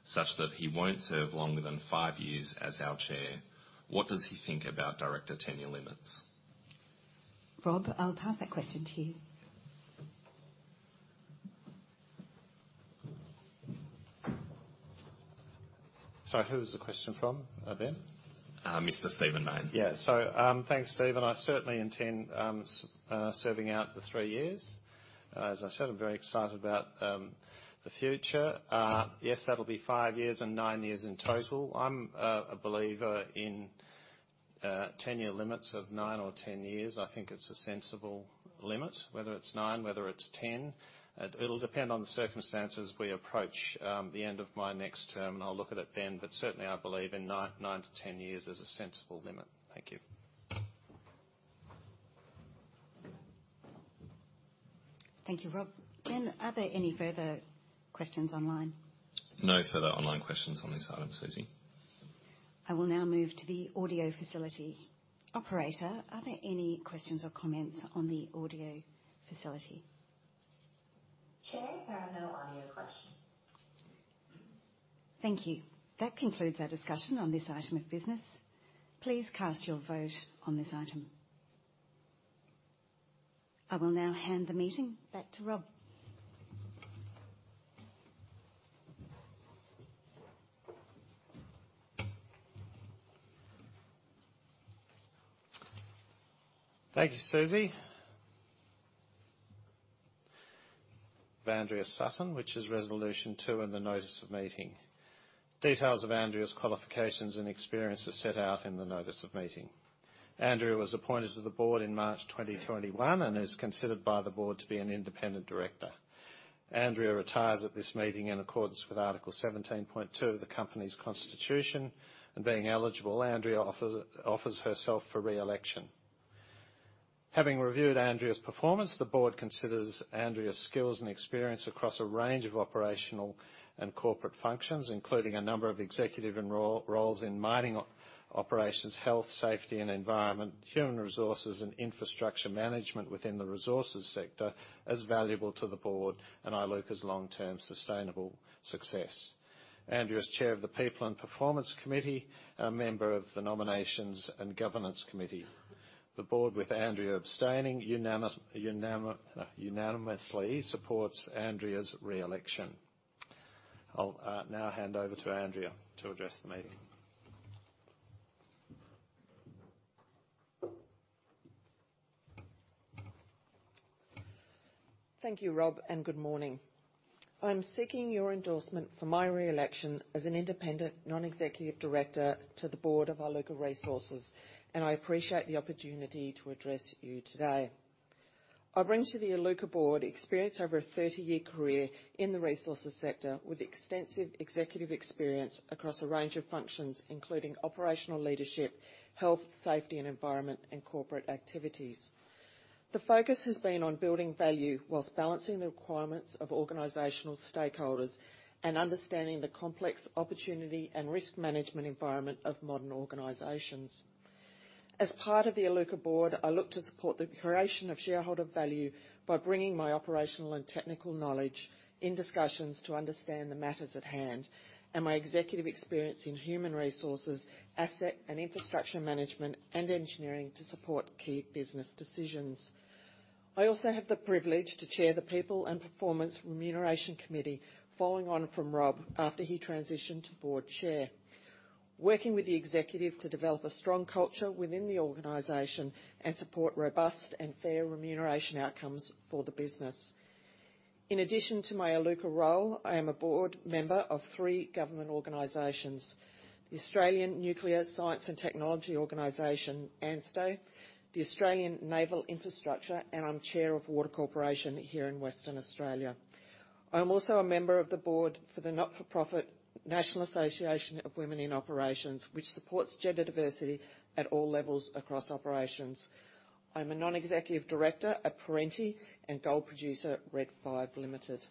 such that he won't serve longer than five years as our chair? What does he think about director tenure limits? Rob, I'll pass that question to you. Sorry, who was the question from, Ben? Mr. Stephen Mayne. Yeah. So, thanks, Stephen. I certainly intend serving out the three years. As I said, I'm very excited about the future. Yes, that'll be five years and nine years in total. I'm a believer in tenure limits of nine or 10 years. I think it's a sensible limit, whether it's nine, whether it's 10. It'll depend on the circumstances we approach the end of my next term, and I'll look at it then. But certainly, I believe in nine, nine to 10 years is a sensible limit. Thank you. Thank you, Rob. Ben, are there any further questions online? No further online questions on this item, Susie. I will now move to the audio facility. Operator, are there any questions or comments on the audio facility? Chair, there are no audio questions. Thank you. That concludes our discussion on this item of business. Please cast your vote on this item. I will now hand the meeting back to Rob. Thank you, Susie. Of Andrea Sutton, which is Resolution 2 in the notice of meeting. Details of Andrea's qualifications and experience are set out in the notice of meeting. Andrea was appointed to the Board in March 2021 and is considered by the Board to be an independent director. Andrea retires at this meeting in accordance with Article 17.2 of the company's constitution, and being eligible, Andrea offers herself for re-election. Having reviewed Andrea's performance, the Board considers Andrea's skills and experience across a range of operational and corporate functions, including a number of executive and roles in mining operations, health, safety and environment, human resources, and infrastructure management within the resources sector, as valuable to the Board and Iluka's long-term sustainable success. Andrea is Chair of the People and Performance Committee, a member of the Nominations and Governance Committee. The Board, with Andrea abstaining, unanimously supports Andrea's re-election. I'll now hand over to Andrea to address the meeting. Thank you, Rob, and good morning. I'm seeking your endorsement for my re-election as an independent, Non-Executive Director to the Board of Iluka Resources, and I appreciate the opportunity to address you today. I bring to the Iluka Board experience over a 30-year career in the resources sector, with extensive executive experience across a range of functions, including operational leadership, health, safety and environment, and corporate activities. The focus has been on building value whilst balancing the requirements of organizational stakeholders and understanding the complex opportunity and risk management environment of modern organizations. As part of the Iluka Board, I look to support the creation of shareholder value by bringing my operational and technical knowledge in discussions to understand the matters at hand, and my executive experience in human resources, asset and infrastructure management, and engineering to support key business decisions.... I also have the privilege to chair the People and Performance Remuneration Committee, following on from Rob after he transitioned to Board chair. Working with the executive to develop a strong culture within the organization, and support robust and fair remuneration outcomes for the business. In addition to my Iluka role, I am a Board member of three government organizations: the Australian Nuclear Science and Technology Organisation, ANSTO, the Australian Naval Infrastructure, and I'm chair of Water Corporation here in Western Australia. I'm also a member of the Board for the not-for-profit National Association of Women in Operations, which supports gender diversity at all levels across operations. I'm a Non-Executive Director at Perenti and gold producer, Red 5 Limited.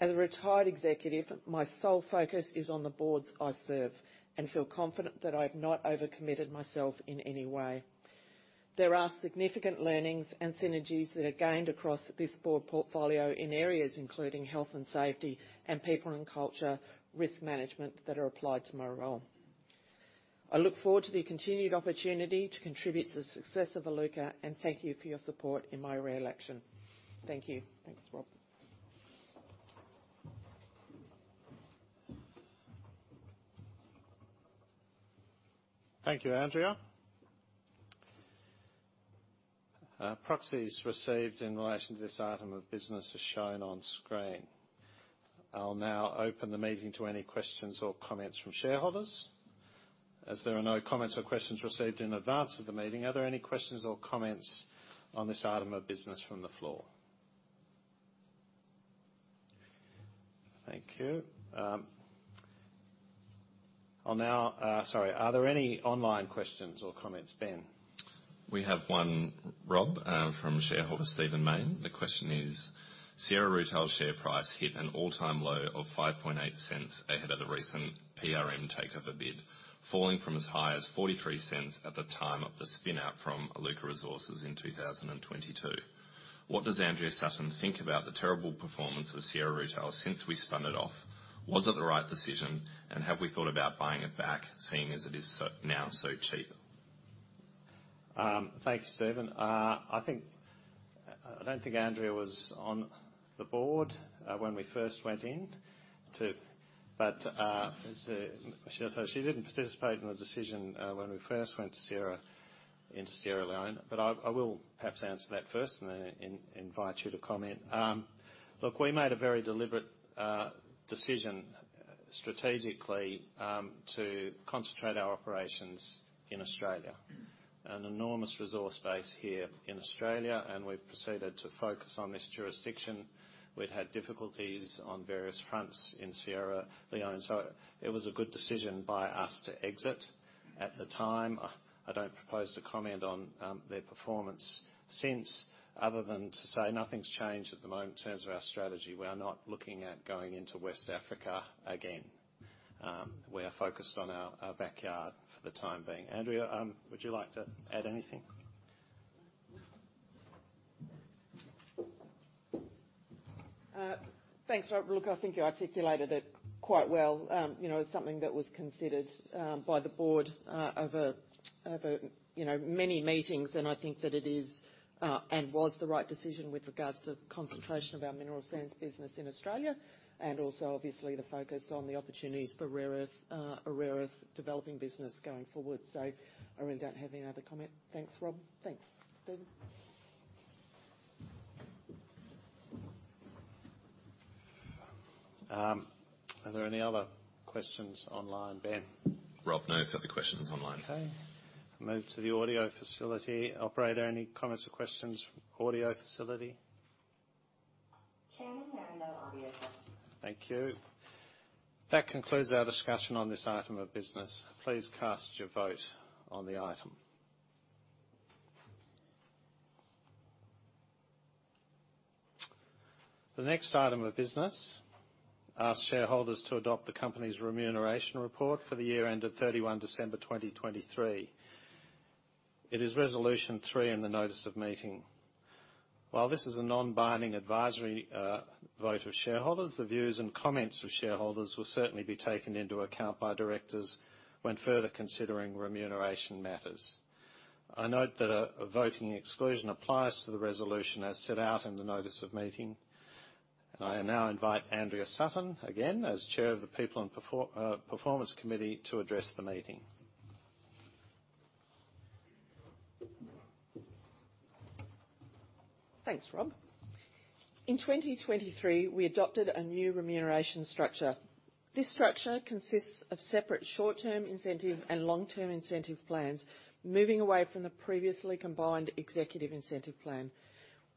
As a retired executive, my sole focus is on the Boards I serve, and feel confident that I've not overcommitted myself in any way. There are significant learnings and synergies that are gained across this Board portfolio in areas including health and safety and people and culture, risk management that are applied to my role. I look forward to the continued opportunity to contribute to the success of Iluka, and thank you for your support in my re-election. Thank you. Thanks, Rob. Thank you, Andrea. Proxies received in relation to this item of business are shown on screen. I'll now open the meeting to any questions or comments from shareholders. As there are no comments or questions received in advance of the meeting, are there any questions or comments on this item of business from the floor? Thank you. Sorry, are there any online questions or comments, Ben? We have one, Rob, from shareholder Stephen Mayne. The question is: Sierra Rutile share price hit an all-time low of 0.058 ahead of the recent PRM takeover bid, falling from as high as 0.43 at the time of the spin out from Iluka Resources in 2022. What does Andrea Sutton think about the terrible performance of Sierra Rutile since we spun it off? Was it the right decision, and have we thought about buying it back, seeing as it is so, now so cheap? Thank you, Stephen. I think I don't think Andrea was on the Board when we first went in to... But as she didn't participate in the decision when we first went to Sierra, into Sierra Leone, but I will perhaps answer that first and then invite you to comment. Look, we made a very deliberate decision strategically to concentrate our operations in Australia. An enormous resource base here in Australia, and we've proceeded to focus on this jurisdiction. We'd had difficulties on various fronts in Sierra Leone, so it was a good decision by us to exit at the time. I don't propose to comment on their performance since, other than to say nothing's changed at the moment in terms of our strategy. We are not looking at going into West Africa again. We are focused on our backyard for the time being. Andrea, would you like to add anything? Thanks, Rob. Look, I think you articulated it quite well. You know, it's something that was considered by the Board over you know, many meetings, and I think that it is and was the right decision with regards to concentration of our mineral sands business in Australia, and also obviously, the focus on the opportunities for rare earth a rare earth developing business going forward. So I really don't have any other comment. Thanks, Rob. Thanks, Stephen. Are there any other questions online, Ben? Rob, no further questions online. Okay. Move to the audio facility. Operator, any comments or questions from audio facility? Chair, there are no audio questions. Thank you. That concludes our discussion on this item of business. Please cast your vote on the item. The next item of business asks shareholders to adopt the company's remuneration report for the year ended December 31, 2023. It is Resolution 3 in the Notice of Meeting. While this is a non-binding advisory vote of shareholders, the views and comments of shareholders will certainly be taken into account by directors when further considering remuneration matters. I note that a voting exclusion applies to the resolution as set out in the notice of meeting, and I now invite Andrea Sutton, again, as Chair of the People and Performance Committee, to address the meeting. Thanks, Rob. In 2023, we adopted a new remuneration structure. This structure consists of separate short-term incentive and long-term incentive plans, moving away from the previously combined executive incentive plan.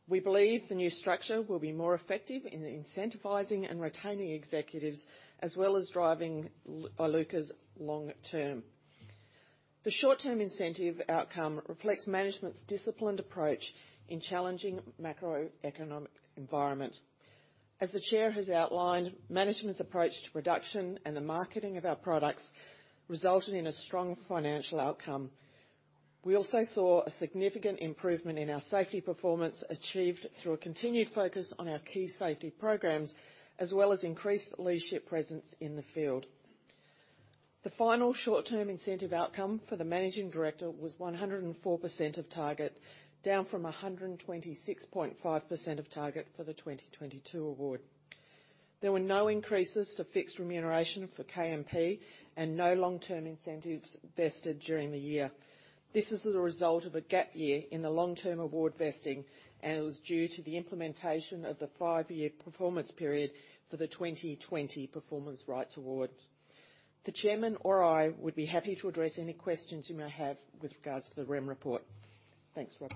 We believe the new structure will be more effective in incentivizing and retaining executives, as well as driving Iluka's long term. The short-term incentive outcome reflects management's disciplined approach in challenging macroeconomic environment. As the chair has outlined, management's approach to production and the marketing of our products resulted in a strong financial outcome. We also saw a significant improvement in our safety performance, achieved through a continued focus on our key safety programs, as well as increased leadership presence in the field. The final short-term incentive outcome for the managing director was 104% of target, down from 126.5% of target for the 2022 award. There were no increases to fixed remuneration for KMP and no long-term incentives vested during the year. This is the result of a gap year in the long-term award vesting, and it was due to the implementation of the five-year performance period for the 2020 performance rights award. The chairman or I would be happy to address any questions you may have with regards to the Rem report. Thanks, Rob.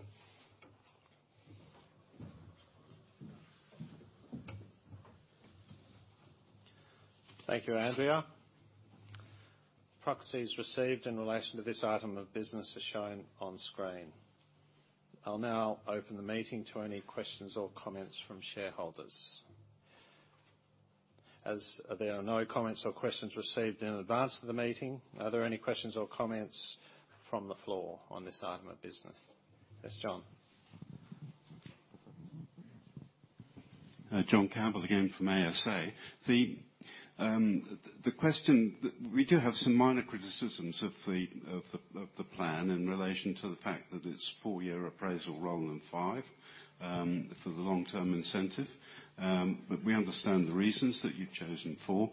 Thank you, Andrea. Proxies received in relation to this item of business are shown on screen. I'll now open the meeting to any questions or comments from shareholders. As there are no comments or questions received in advance of the meeting, are there any questions or comments from the floor on this item of business? Yes, John. John Campbell, again from ASA. The question that... We do have some minor criticisms of the plan in relation to the fact that it's four-year appraisal rather than five, for the long-term incentive. But we understand the reasons that you've chosen four.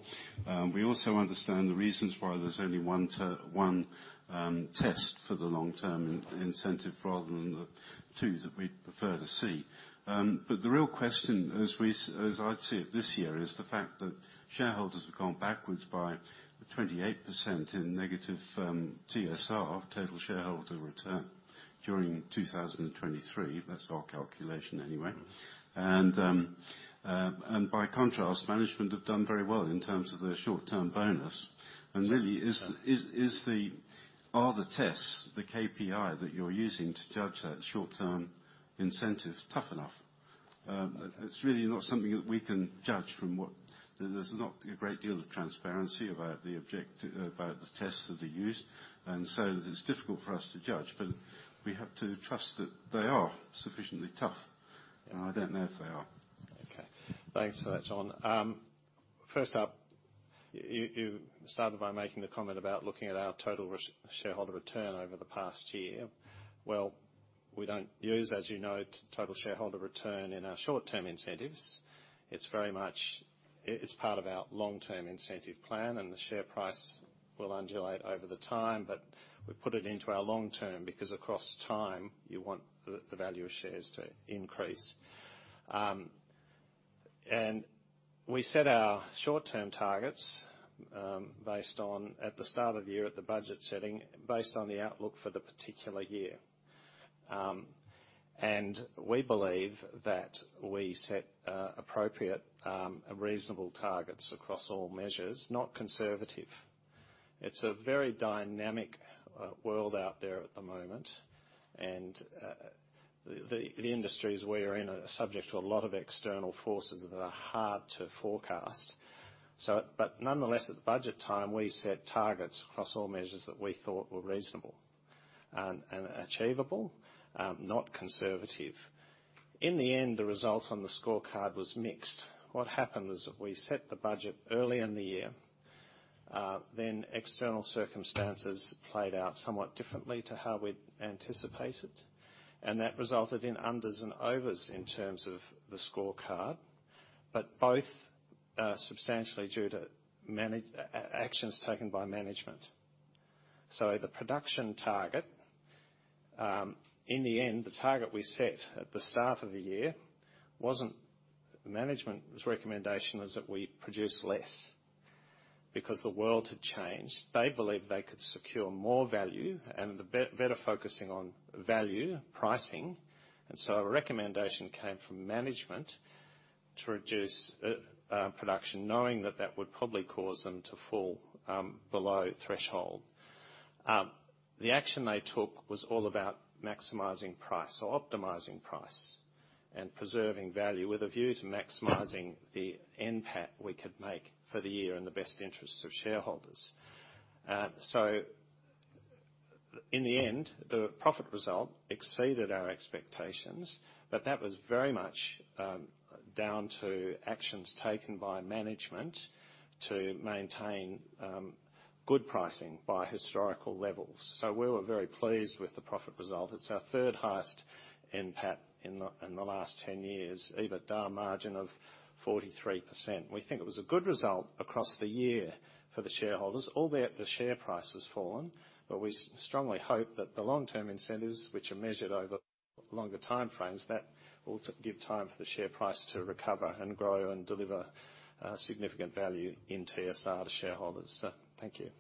We also understand the reasons why there's only one test for the long-term incentive rather than the two that we'd prefer to see. But the real question, as I see it this year, is the fact that shareholders have gone backwards by 28% in negative, TSR, total shareholder return, during 2023. That's our calculation anyway. By contrast, management have done very well in terms of their short-term bonus. And really, are the tests, the KPI that you're using to judge that short-term incentive tough enough? It's really not something that we can judge from what... There's not a great deal of transparency about the tests that are used, and so it's difficult for us to judge. But we have to trust that they are sufficiently tough, and I don't know if they are. Okay. Thanks for that, John. First up, you started by making the comment about looking at our Total Shareholder Return over the past year. Well, we don't use, as you know, Total Shareholder Return in our short-term incentives. It's very much... It's part of our long-term incentive plan, and the share price will undulate over the time. But we put it into our long term, because across time, you want the value of shares to increase. And we set our short-term targets based on, at the start of the year, at the budget setting, based on the outlook for the particular year. And we believe that we set appropriate and reasonable targets across all measures, not conservative. It's a very dynamic world out there at the moment, and the industries we are in are subject to a lot of external forces that are hard to forecast. So, but nonetheless, at the budget time, we set targets across all measures that we thought were reasonable and achievable, not conservative. In the end, the results on the scorecard was mixed. What happened is that we set the budget early in the year, then external circumstances played out somewhat differently to how we'd anticipated, and that resulted in unders and overs in terms of the scorecard, but both substantially due to management actions taken by management. So the production target, in the end, the target we set at the start of the year wasn't management's recommendation was that we produce less because the world had changed. They believed they could secure more value and the better focusing on value, pricing, and so a recommendation came from management to reduce production, knowing that that would probably cause them to fall below threshold. The action they took was all about maximizing price or optimizing price and preserving value with a view to maximizing the NPAT we could make for the year in the best interests of shareholders. So in the end, the profit result exceeded our expectations, but that was very much down to actions taken by management to maintain good pricing by historical levels. So we were very pleased with the profit result. It's our third highest NPAT in the last 10 years, EBITDA margin of 43%. We think it was a good result across the year for the shareholders, albeit the share price has fallen. But we strongly hope that the long-term incentives, which are measured over longer time frames, that will give time for the share price to recover and grow and deliver significant value in TSR to shareholders. So thank you.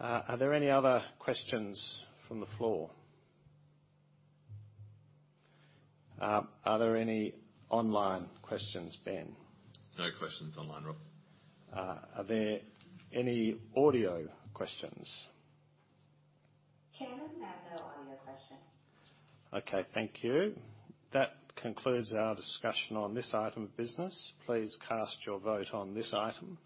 Are there any other questions from the floor? Are there any online questions, Ben? No questions online, Rob. Are there any audio questions? Chair, there are no audio questions. Okay. Thank you. That concludes our discussion on this item of business. Please cast your vote on this item....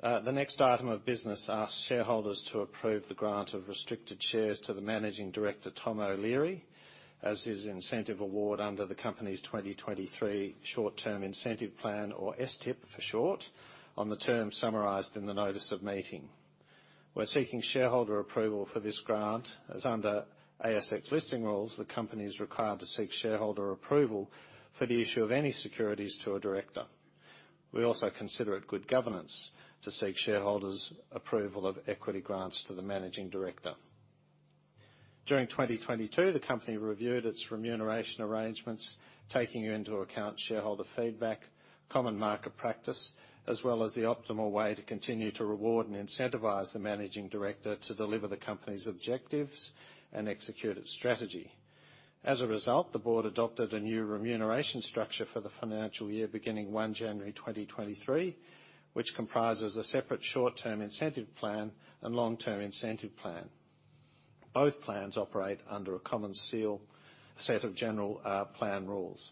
The next item of business asks shareholders to approve the grant of restricted shares to the Managing Director, Tom O'Leary, as his incentive award under the company's 2023 short-term incentive plan, or STIP for short, on the terms summarized in the notice of meeting. We're seeking shareholder approval for this grant, as under ASX listing rules, the company is required to seek shareholder approval for the issue of any securities to a director. We also consider it good governance to seek shareholders' approval of equity grants to the managing director. During 2022, the company reviewed its remuneration arrangements, taking into account shareholder feedback, common market practice, as well as the optimal way to continue to reward and incentivize the managing director to deliver the company's objectives and execute its strategy. As a result, the Board adopted a new remuneration structure for the financial year beginning January 1, 2023, which comprises a separate short-term incentive plan and long-term incentive plan. Both plans operate under a common seal set of general plan rules.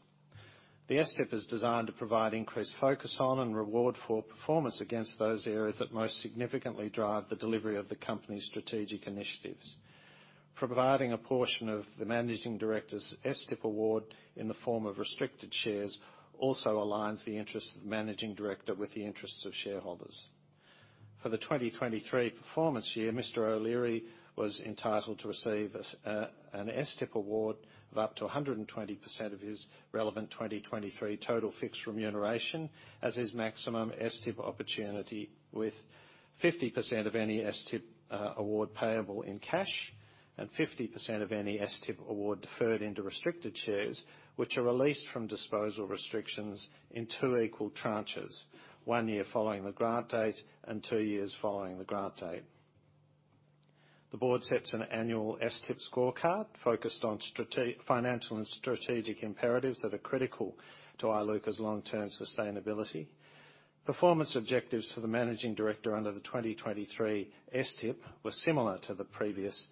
The STIP is designed to provide increased focus on and reward for performance against those areas that most significantly drive the delivery of the company's strategic initiatives. Providing a portion of the managing director's STIP award in the form of restricted shares also aligns the interests of the managing director with the interests of shareholders. For the 2023 performance year, Mr. O'Leary was entitled to receive an STIP award of up to 120% of his relevant 2023 total fixed remuneration, as his maximum STIP opportunity, with 50% of any STIP award payable in cash, and 50% of any STIP award deferred into restricted shares, which are released from disposal restrictions in two equal tranches: one year following the grant date and two years following the grant date. The Board sets an annual STIP scorecard focused on financial and strategic imperatives that are critical to Iluka's long-term sustainability. Performance objectives for the managing director under the 2023 STIP were similar to the previous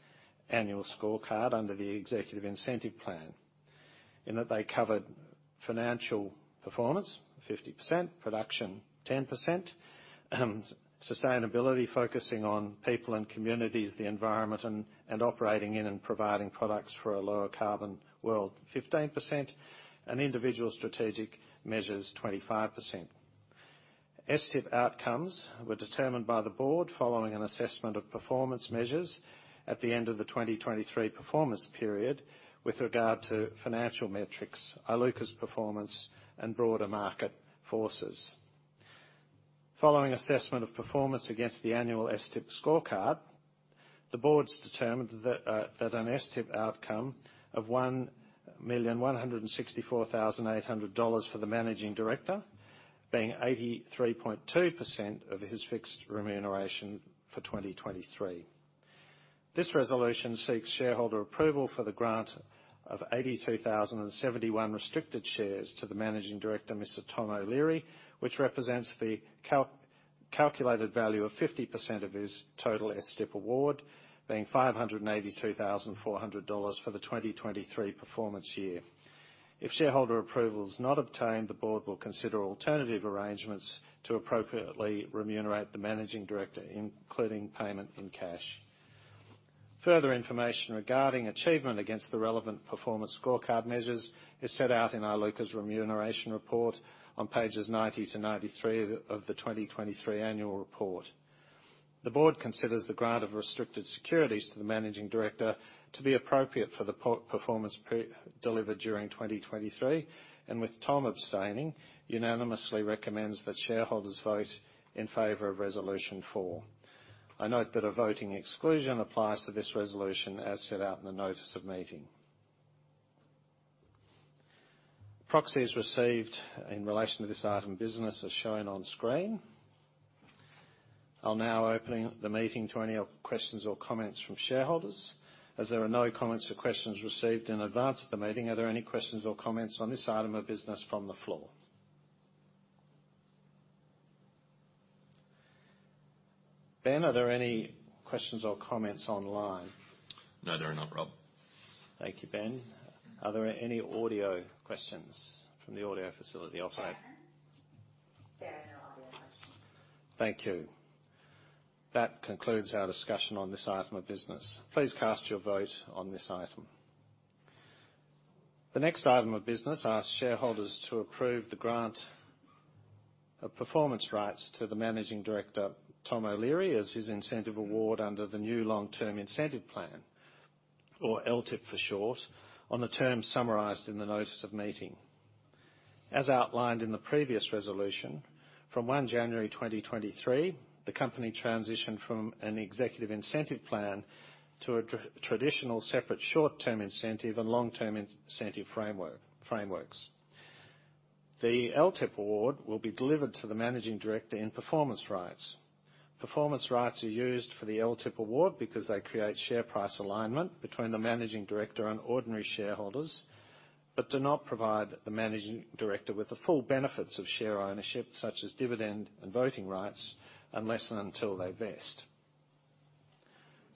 annual scorecard under the Executive Incentive Plan, in that they covered financial performance, 50%, production, 10%, and sustainability, focusing on people and communities, the environment, and operating in and providing products for a lower carbon world, 15%, and individual strategic measures, 25%. STIP outcomes were determined by the Board following an assessment of performance measures at the end of the 2023 performance period with regard to financial metrics, Iluka's performance, and broader market forces. Following assessment of performance against the annual STIP scorecard, the Boards determined that that an STIP outcome of 1,164,800 dollars for the managing director, being 83.2% of his fixed remuneration for 2023. This resolution seeks shareholder approval for the grant of 82,071 restricted shares to the managing director, Mr. Tom O'Leary, which represents the calculated value of 50% of his total STIP award, being 582,400 dollars for the 2023 performance year. If shareholder approval is not obtained, the Board will consider alternative arrangements to appropriately remunerate the managing director, including payment in cash. Further information regarding achievement against the relevant performance scorecard measures is set out in Iluka's remuneration report on pages 90-93 of the 2023 Annual Report. The Board considers the grant of restricted securities to the managing director to be appropriate for the performance period delivered during 2023, and with Tom abstaining, unanimously recommends that shareholders vote in favor of Resolution 4. I note that a voting exclusion applies to this resolution as set out in the notice of meeting. Proxies received in relation to this item of business are shown on screen. I'll now open the meeting to any questions or comments from shareholders. As there are no comments or questions received in advance of the meeting, are there any questions or comments on this item of business from the floor? Ben, are there any questions or comments online? No, there are not, Rob. Thank you, Ben. Are there any audio questions from the audio facility operator? There are no audio questions. Thank you. That concludes our discussion on this item of business. Please cast your vote on this item. The next item of business asks shareholders to approve the grant of performance rights to the managing director, Tom O'Leary, as his incentive award under the new long-term incentive plan, or LTIP for short, on the terms summarized in the notice of meeting. As outlined in the previous resolution, from January 1, 2023, the company transitioned from an executive incentive plan to a traditional separate short-term incentive and long-term incentive frameworks. The LTIP award will be delivered to the managing director in performance rights. Performance rights are used for the LTIP award because they create share price alignment between the managing director and ordinary shareholders, but do not provide the managing director with the full benefits of share ownership, such as dividend and voting rights, unless and until they vest.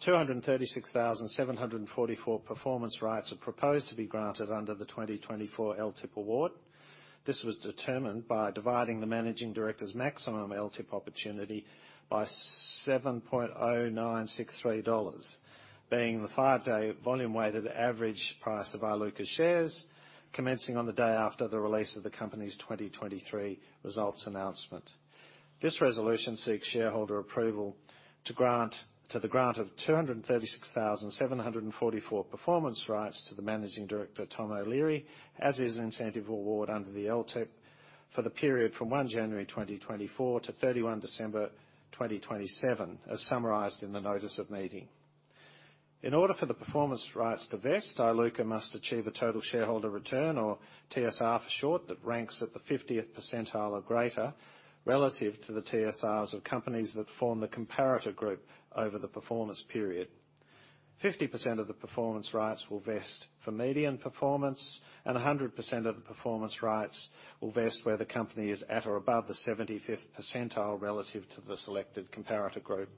236,744 performance rights are proposed to be granted under the 2024 LTIP award. This was determined by dividing the managing director's maximum LTIP opportunity by $7.0963, being the five-day volume weighted average price of our Iluka shares, commencing on the day after the release of the company's 2023 results announcement. This resolution seeks shareholder approval to grant 236,744 performance rights to the Managing Director, Tom O'Leary, as his incentive award under the LTIP for the period from January 1, 2024 to December 31, 2027, as summarized in the notice of meeting. In order for the performance rights to vest, Iluka must achieve a total shareholder return, or TSR for short, that ranks at the 50th percentile or greater relative to the TSRs of companies that form the comparator group over the performance period. 50% of the performance rights will vest for median performance, and 100% of the performance rights will vest where the company is at or above the 75th percentile relative to the selected comparator group.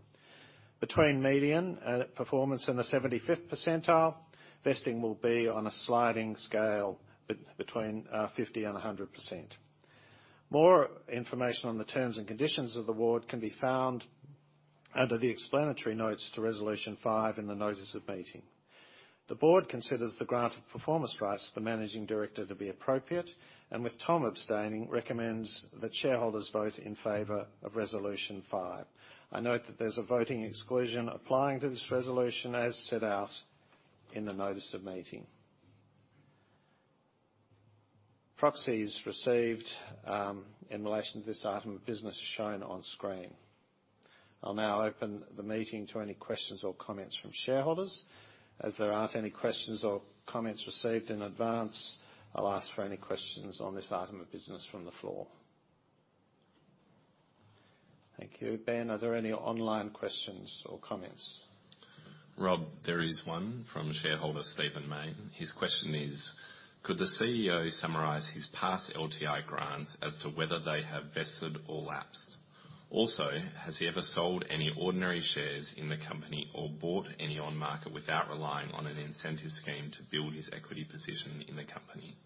Between median performance and the 75th percentile, vesting will be on a sliding scale between 50% and 100%. More information on the terms and conditions of the award can be found under the explanatory notes to Resolution 5 in the notice of meeting. The Board considers the grant of performance rights to the Managing Director to be appropriate, and with Tom abstaining, recommends that shareholders vote in favor of Resolution 5. I note that there's a voting exclusion applying to this resolution, as set out in the notice of meeting. Proxies received in relation to this item of business are shown on screen. I'll now open the meeting to any questions or comments from shareholders. As there aren't any questions or comments received in advance, I'll ask for any questions on this item of business from the floor. Thank you. Ben, are there any online questions or comments? Rob, there is one from shareholder Stephen Mayne. His question is: Could the CEO summarize his past LTI grants as to whether they have vested or lapsed? Also, has he ever sold any ordinary shares in the company or bought any on market without relying on an incentive scheme to build his equity position in the company?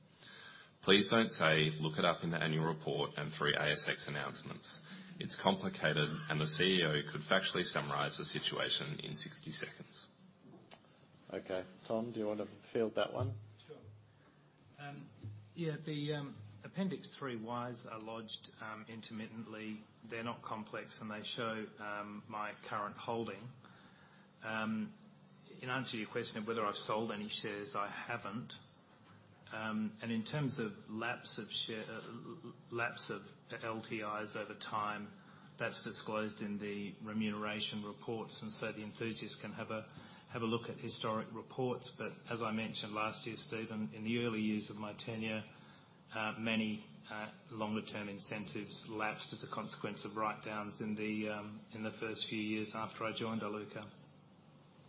Please don't say, "Look it up in the Annual Report and three ASX announcements." It's complicated, and the CEO could factually summarize the situation in 60 seconds. Okay, Tom, do you want to field that one? Sure. Yeah, the Appendix 3Ys are lodged intermittently. They're not complex, and they show my current holding. In answer to your question of whether I've sold any shares, I haven't. And in terms of lapse of share, lapse of LTIs over time, that's disclosed in the remuneration reports, and so the enthusiasts can have a look at historic reports. But as I mentioned last year, Stephen, in the early years of my tenure, many longer-term incentives lapsed as a consequence of write-downs in the first few years after I joined Iluka.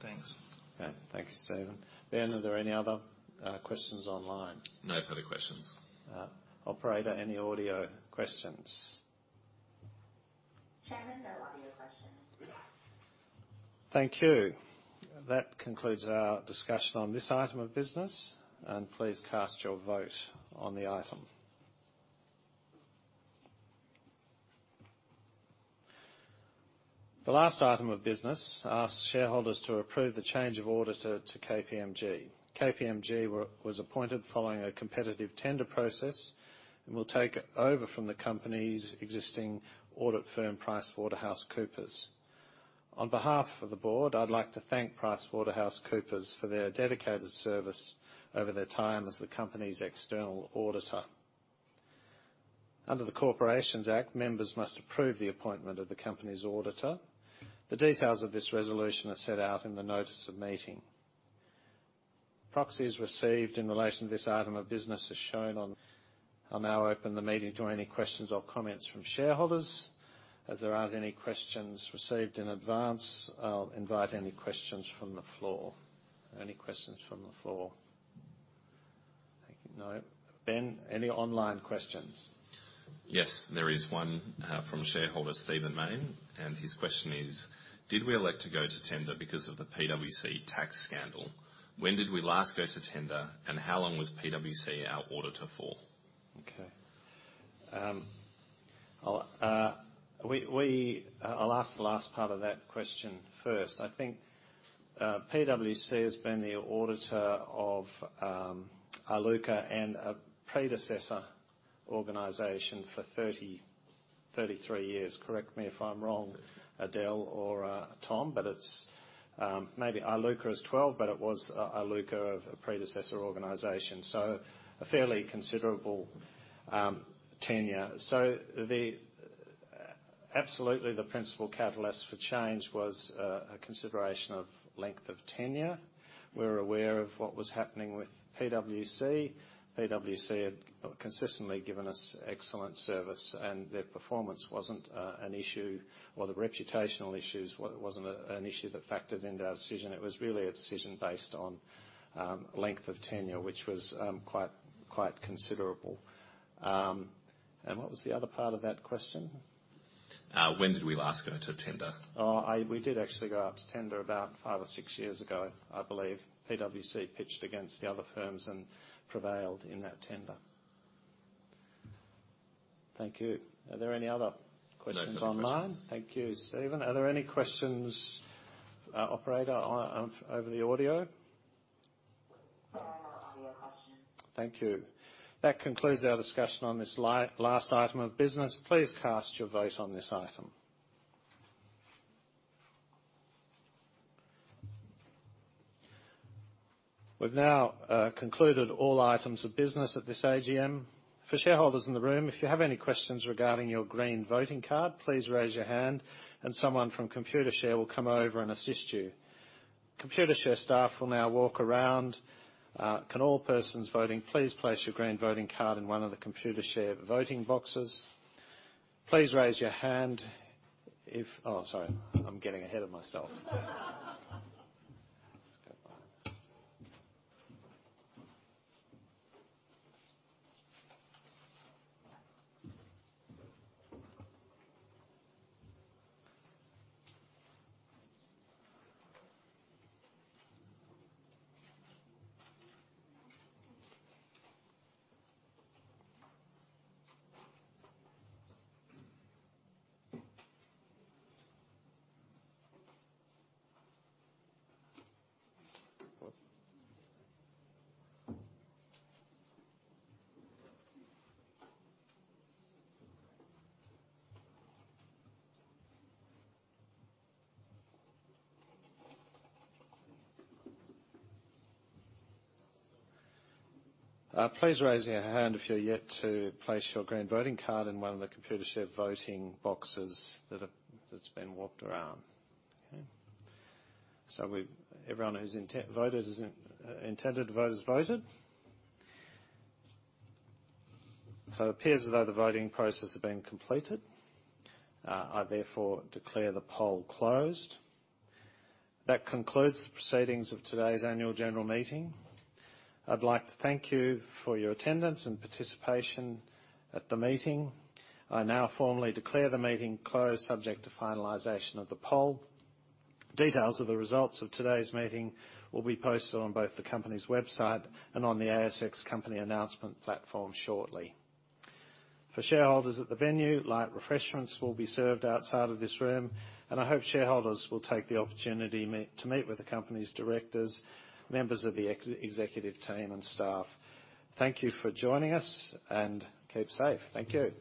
Thanks. Okay. Thank you, Stephen. Ben, are there any other questions online? No further questions. Operator, any audio questions? Chairman, no audio questions. Thank you. That concludes our discussion on this item of business, and please cast your vote on the item. The last item of business asks shareholders to approve the change of auditor to KPMG. KPMG were, was appointed following a competitive tender process and will take over from the company's existing audit firm, PricewaterhouseCoopers. On behalf of the Board, I'd like to thank PricewaterhouseCoopers for their dedicated service over their time as the company's external auditor. Under the Corporations Act, members must approve the appointment of the company's auditor. The details of this resolution are set out in the notice of meeting. Proxies received in relation to this item of business is shown on. I'll now open the meeting to any questions or comments from shareholders. As there aren't any questions received in advance, I'll invite any questions from the floor. Any questions from the floor? Thank you. No. Ben, any online questions? Yes, there is one, from shareholder, Stephen Mayne, and his question is: Did we elect to go to tender because of the PwC tax scandal? When did we last go to tender, and how long was PwC our auditor for? Okay, I'll ask the last part of that question first. I think, PwC has been the auditor of, Iluka and a predecessor organization for 33 years. Correct me if I'm wrong, Adele or, Tom, but it's, maybe Iluka is 12, but it was, Iluka, of a predecessor organization, so a fairly considerable, tenure. So the, absolutely, the principal catalyst for change was, a consideration of length of tenure. We were aware of what was happening with PwC. PwC had consistently given us excellent service, and their performance wasn't, an issue, or the reputational issues w- wasn't a, an issue that factored into our decision. It was really a decision based on, length of tenure, which was, quite, quite considerable. And what was the other part of that question? When did we last go to tender? Oh, we did actually go out to tender about five or six years ago, I believe. PwC pitched against the other firms and prevailed in that tender. Thank you. Are there any other questions online? No further questions. Thank you, Stephen. Are there any questions, operator, on over the audio? There are no audio questions. Thank you. That concludes our discussion on this last item of business. Please cast your vote on this item. We've now concluded all items of business at this AGM. For shareholders in the room, if you have any questions regarding your green voting card, please raise your hand and someone from Computershare will come over and assist you. Computershare staff will now walk around. Can all persons voting please place your green voting card in one of the Computershare voting boxes? Please raise your hand if... Oh, sorry, I'm getting ahead of myself. Let's go back. Please raise your hand if you're yet to place your green voting card in one of the Computershare voting boxes that have been walked around. Okay. So we've-- everyone who's intended to vote has voted? So it appears as though the voting process has been completed. I therefore declare the poll closed. That concludes the proceedings of today's annual general meeting. I'd like to thank you for your attendance and participation at the meeting. I now formally declare the meeting closed, subject to finalization of the poll. Details of the results of today's meeting will be posted on both the company's website and on the ASX company announcement platform shortly. For shareholders at the venue, light refreshments will be served outside of this room, and I hope shareholders will take the opportunity to meet with the company's directors, members of the executive team, and staff. Thank you for joining us, and keep safe. Thank you.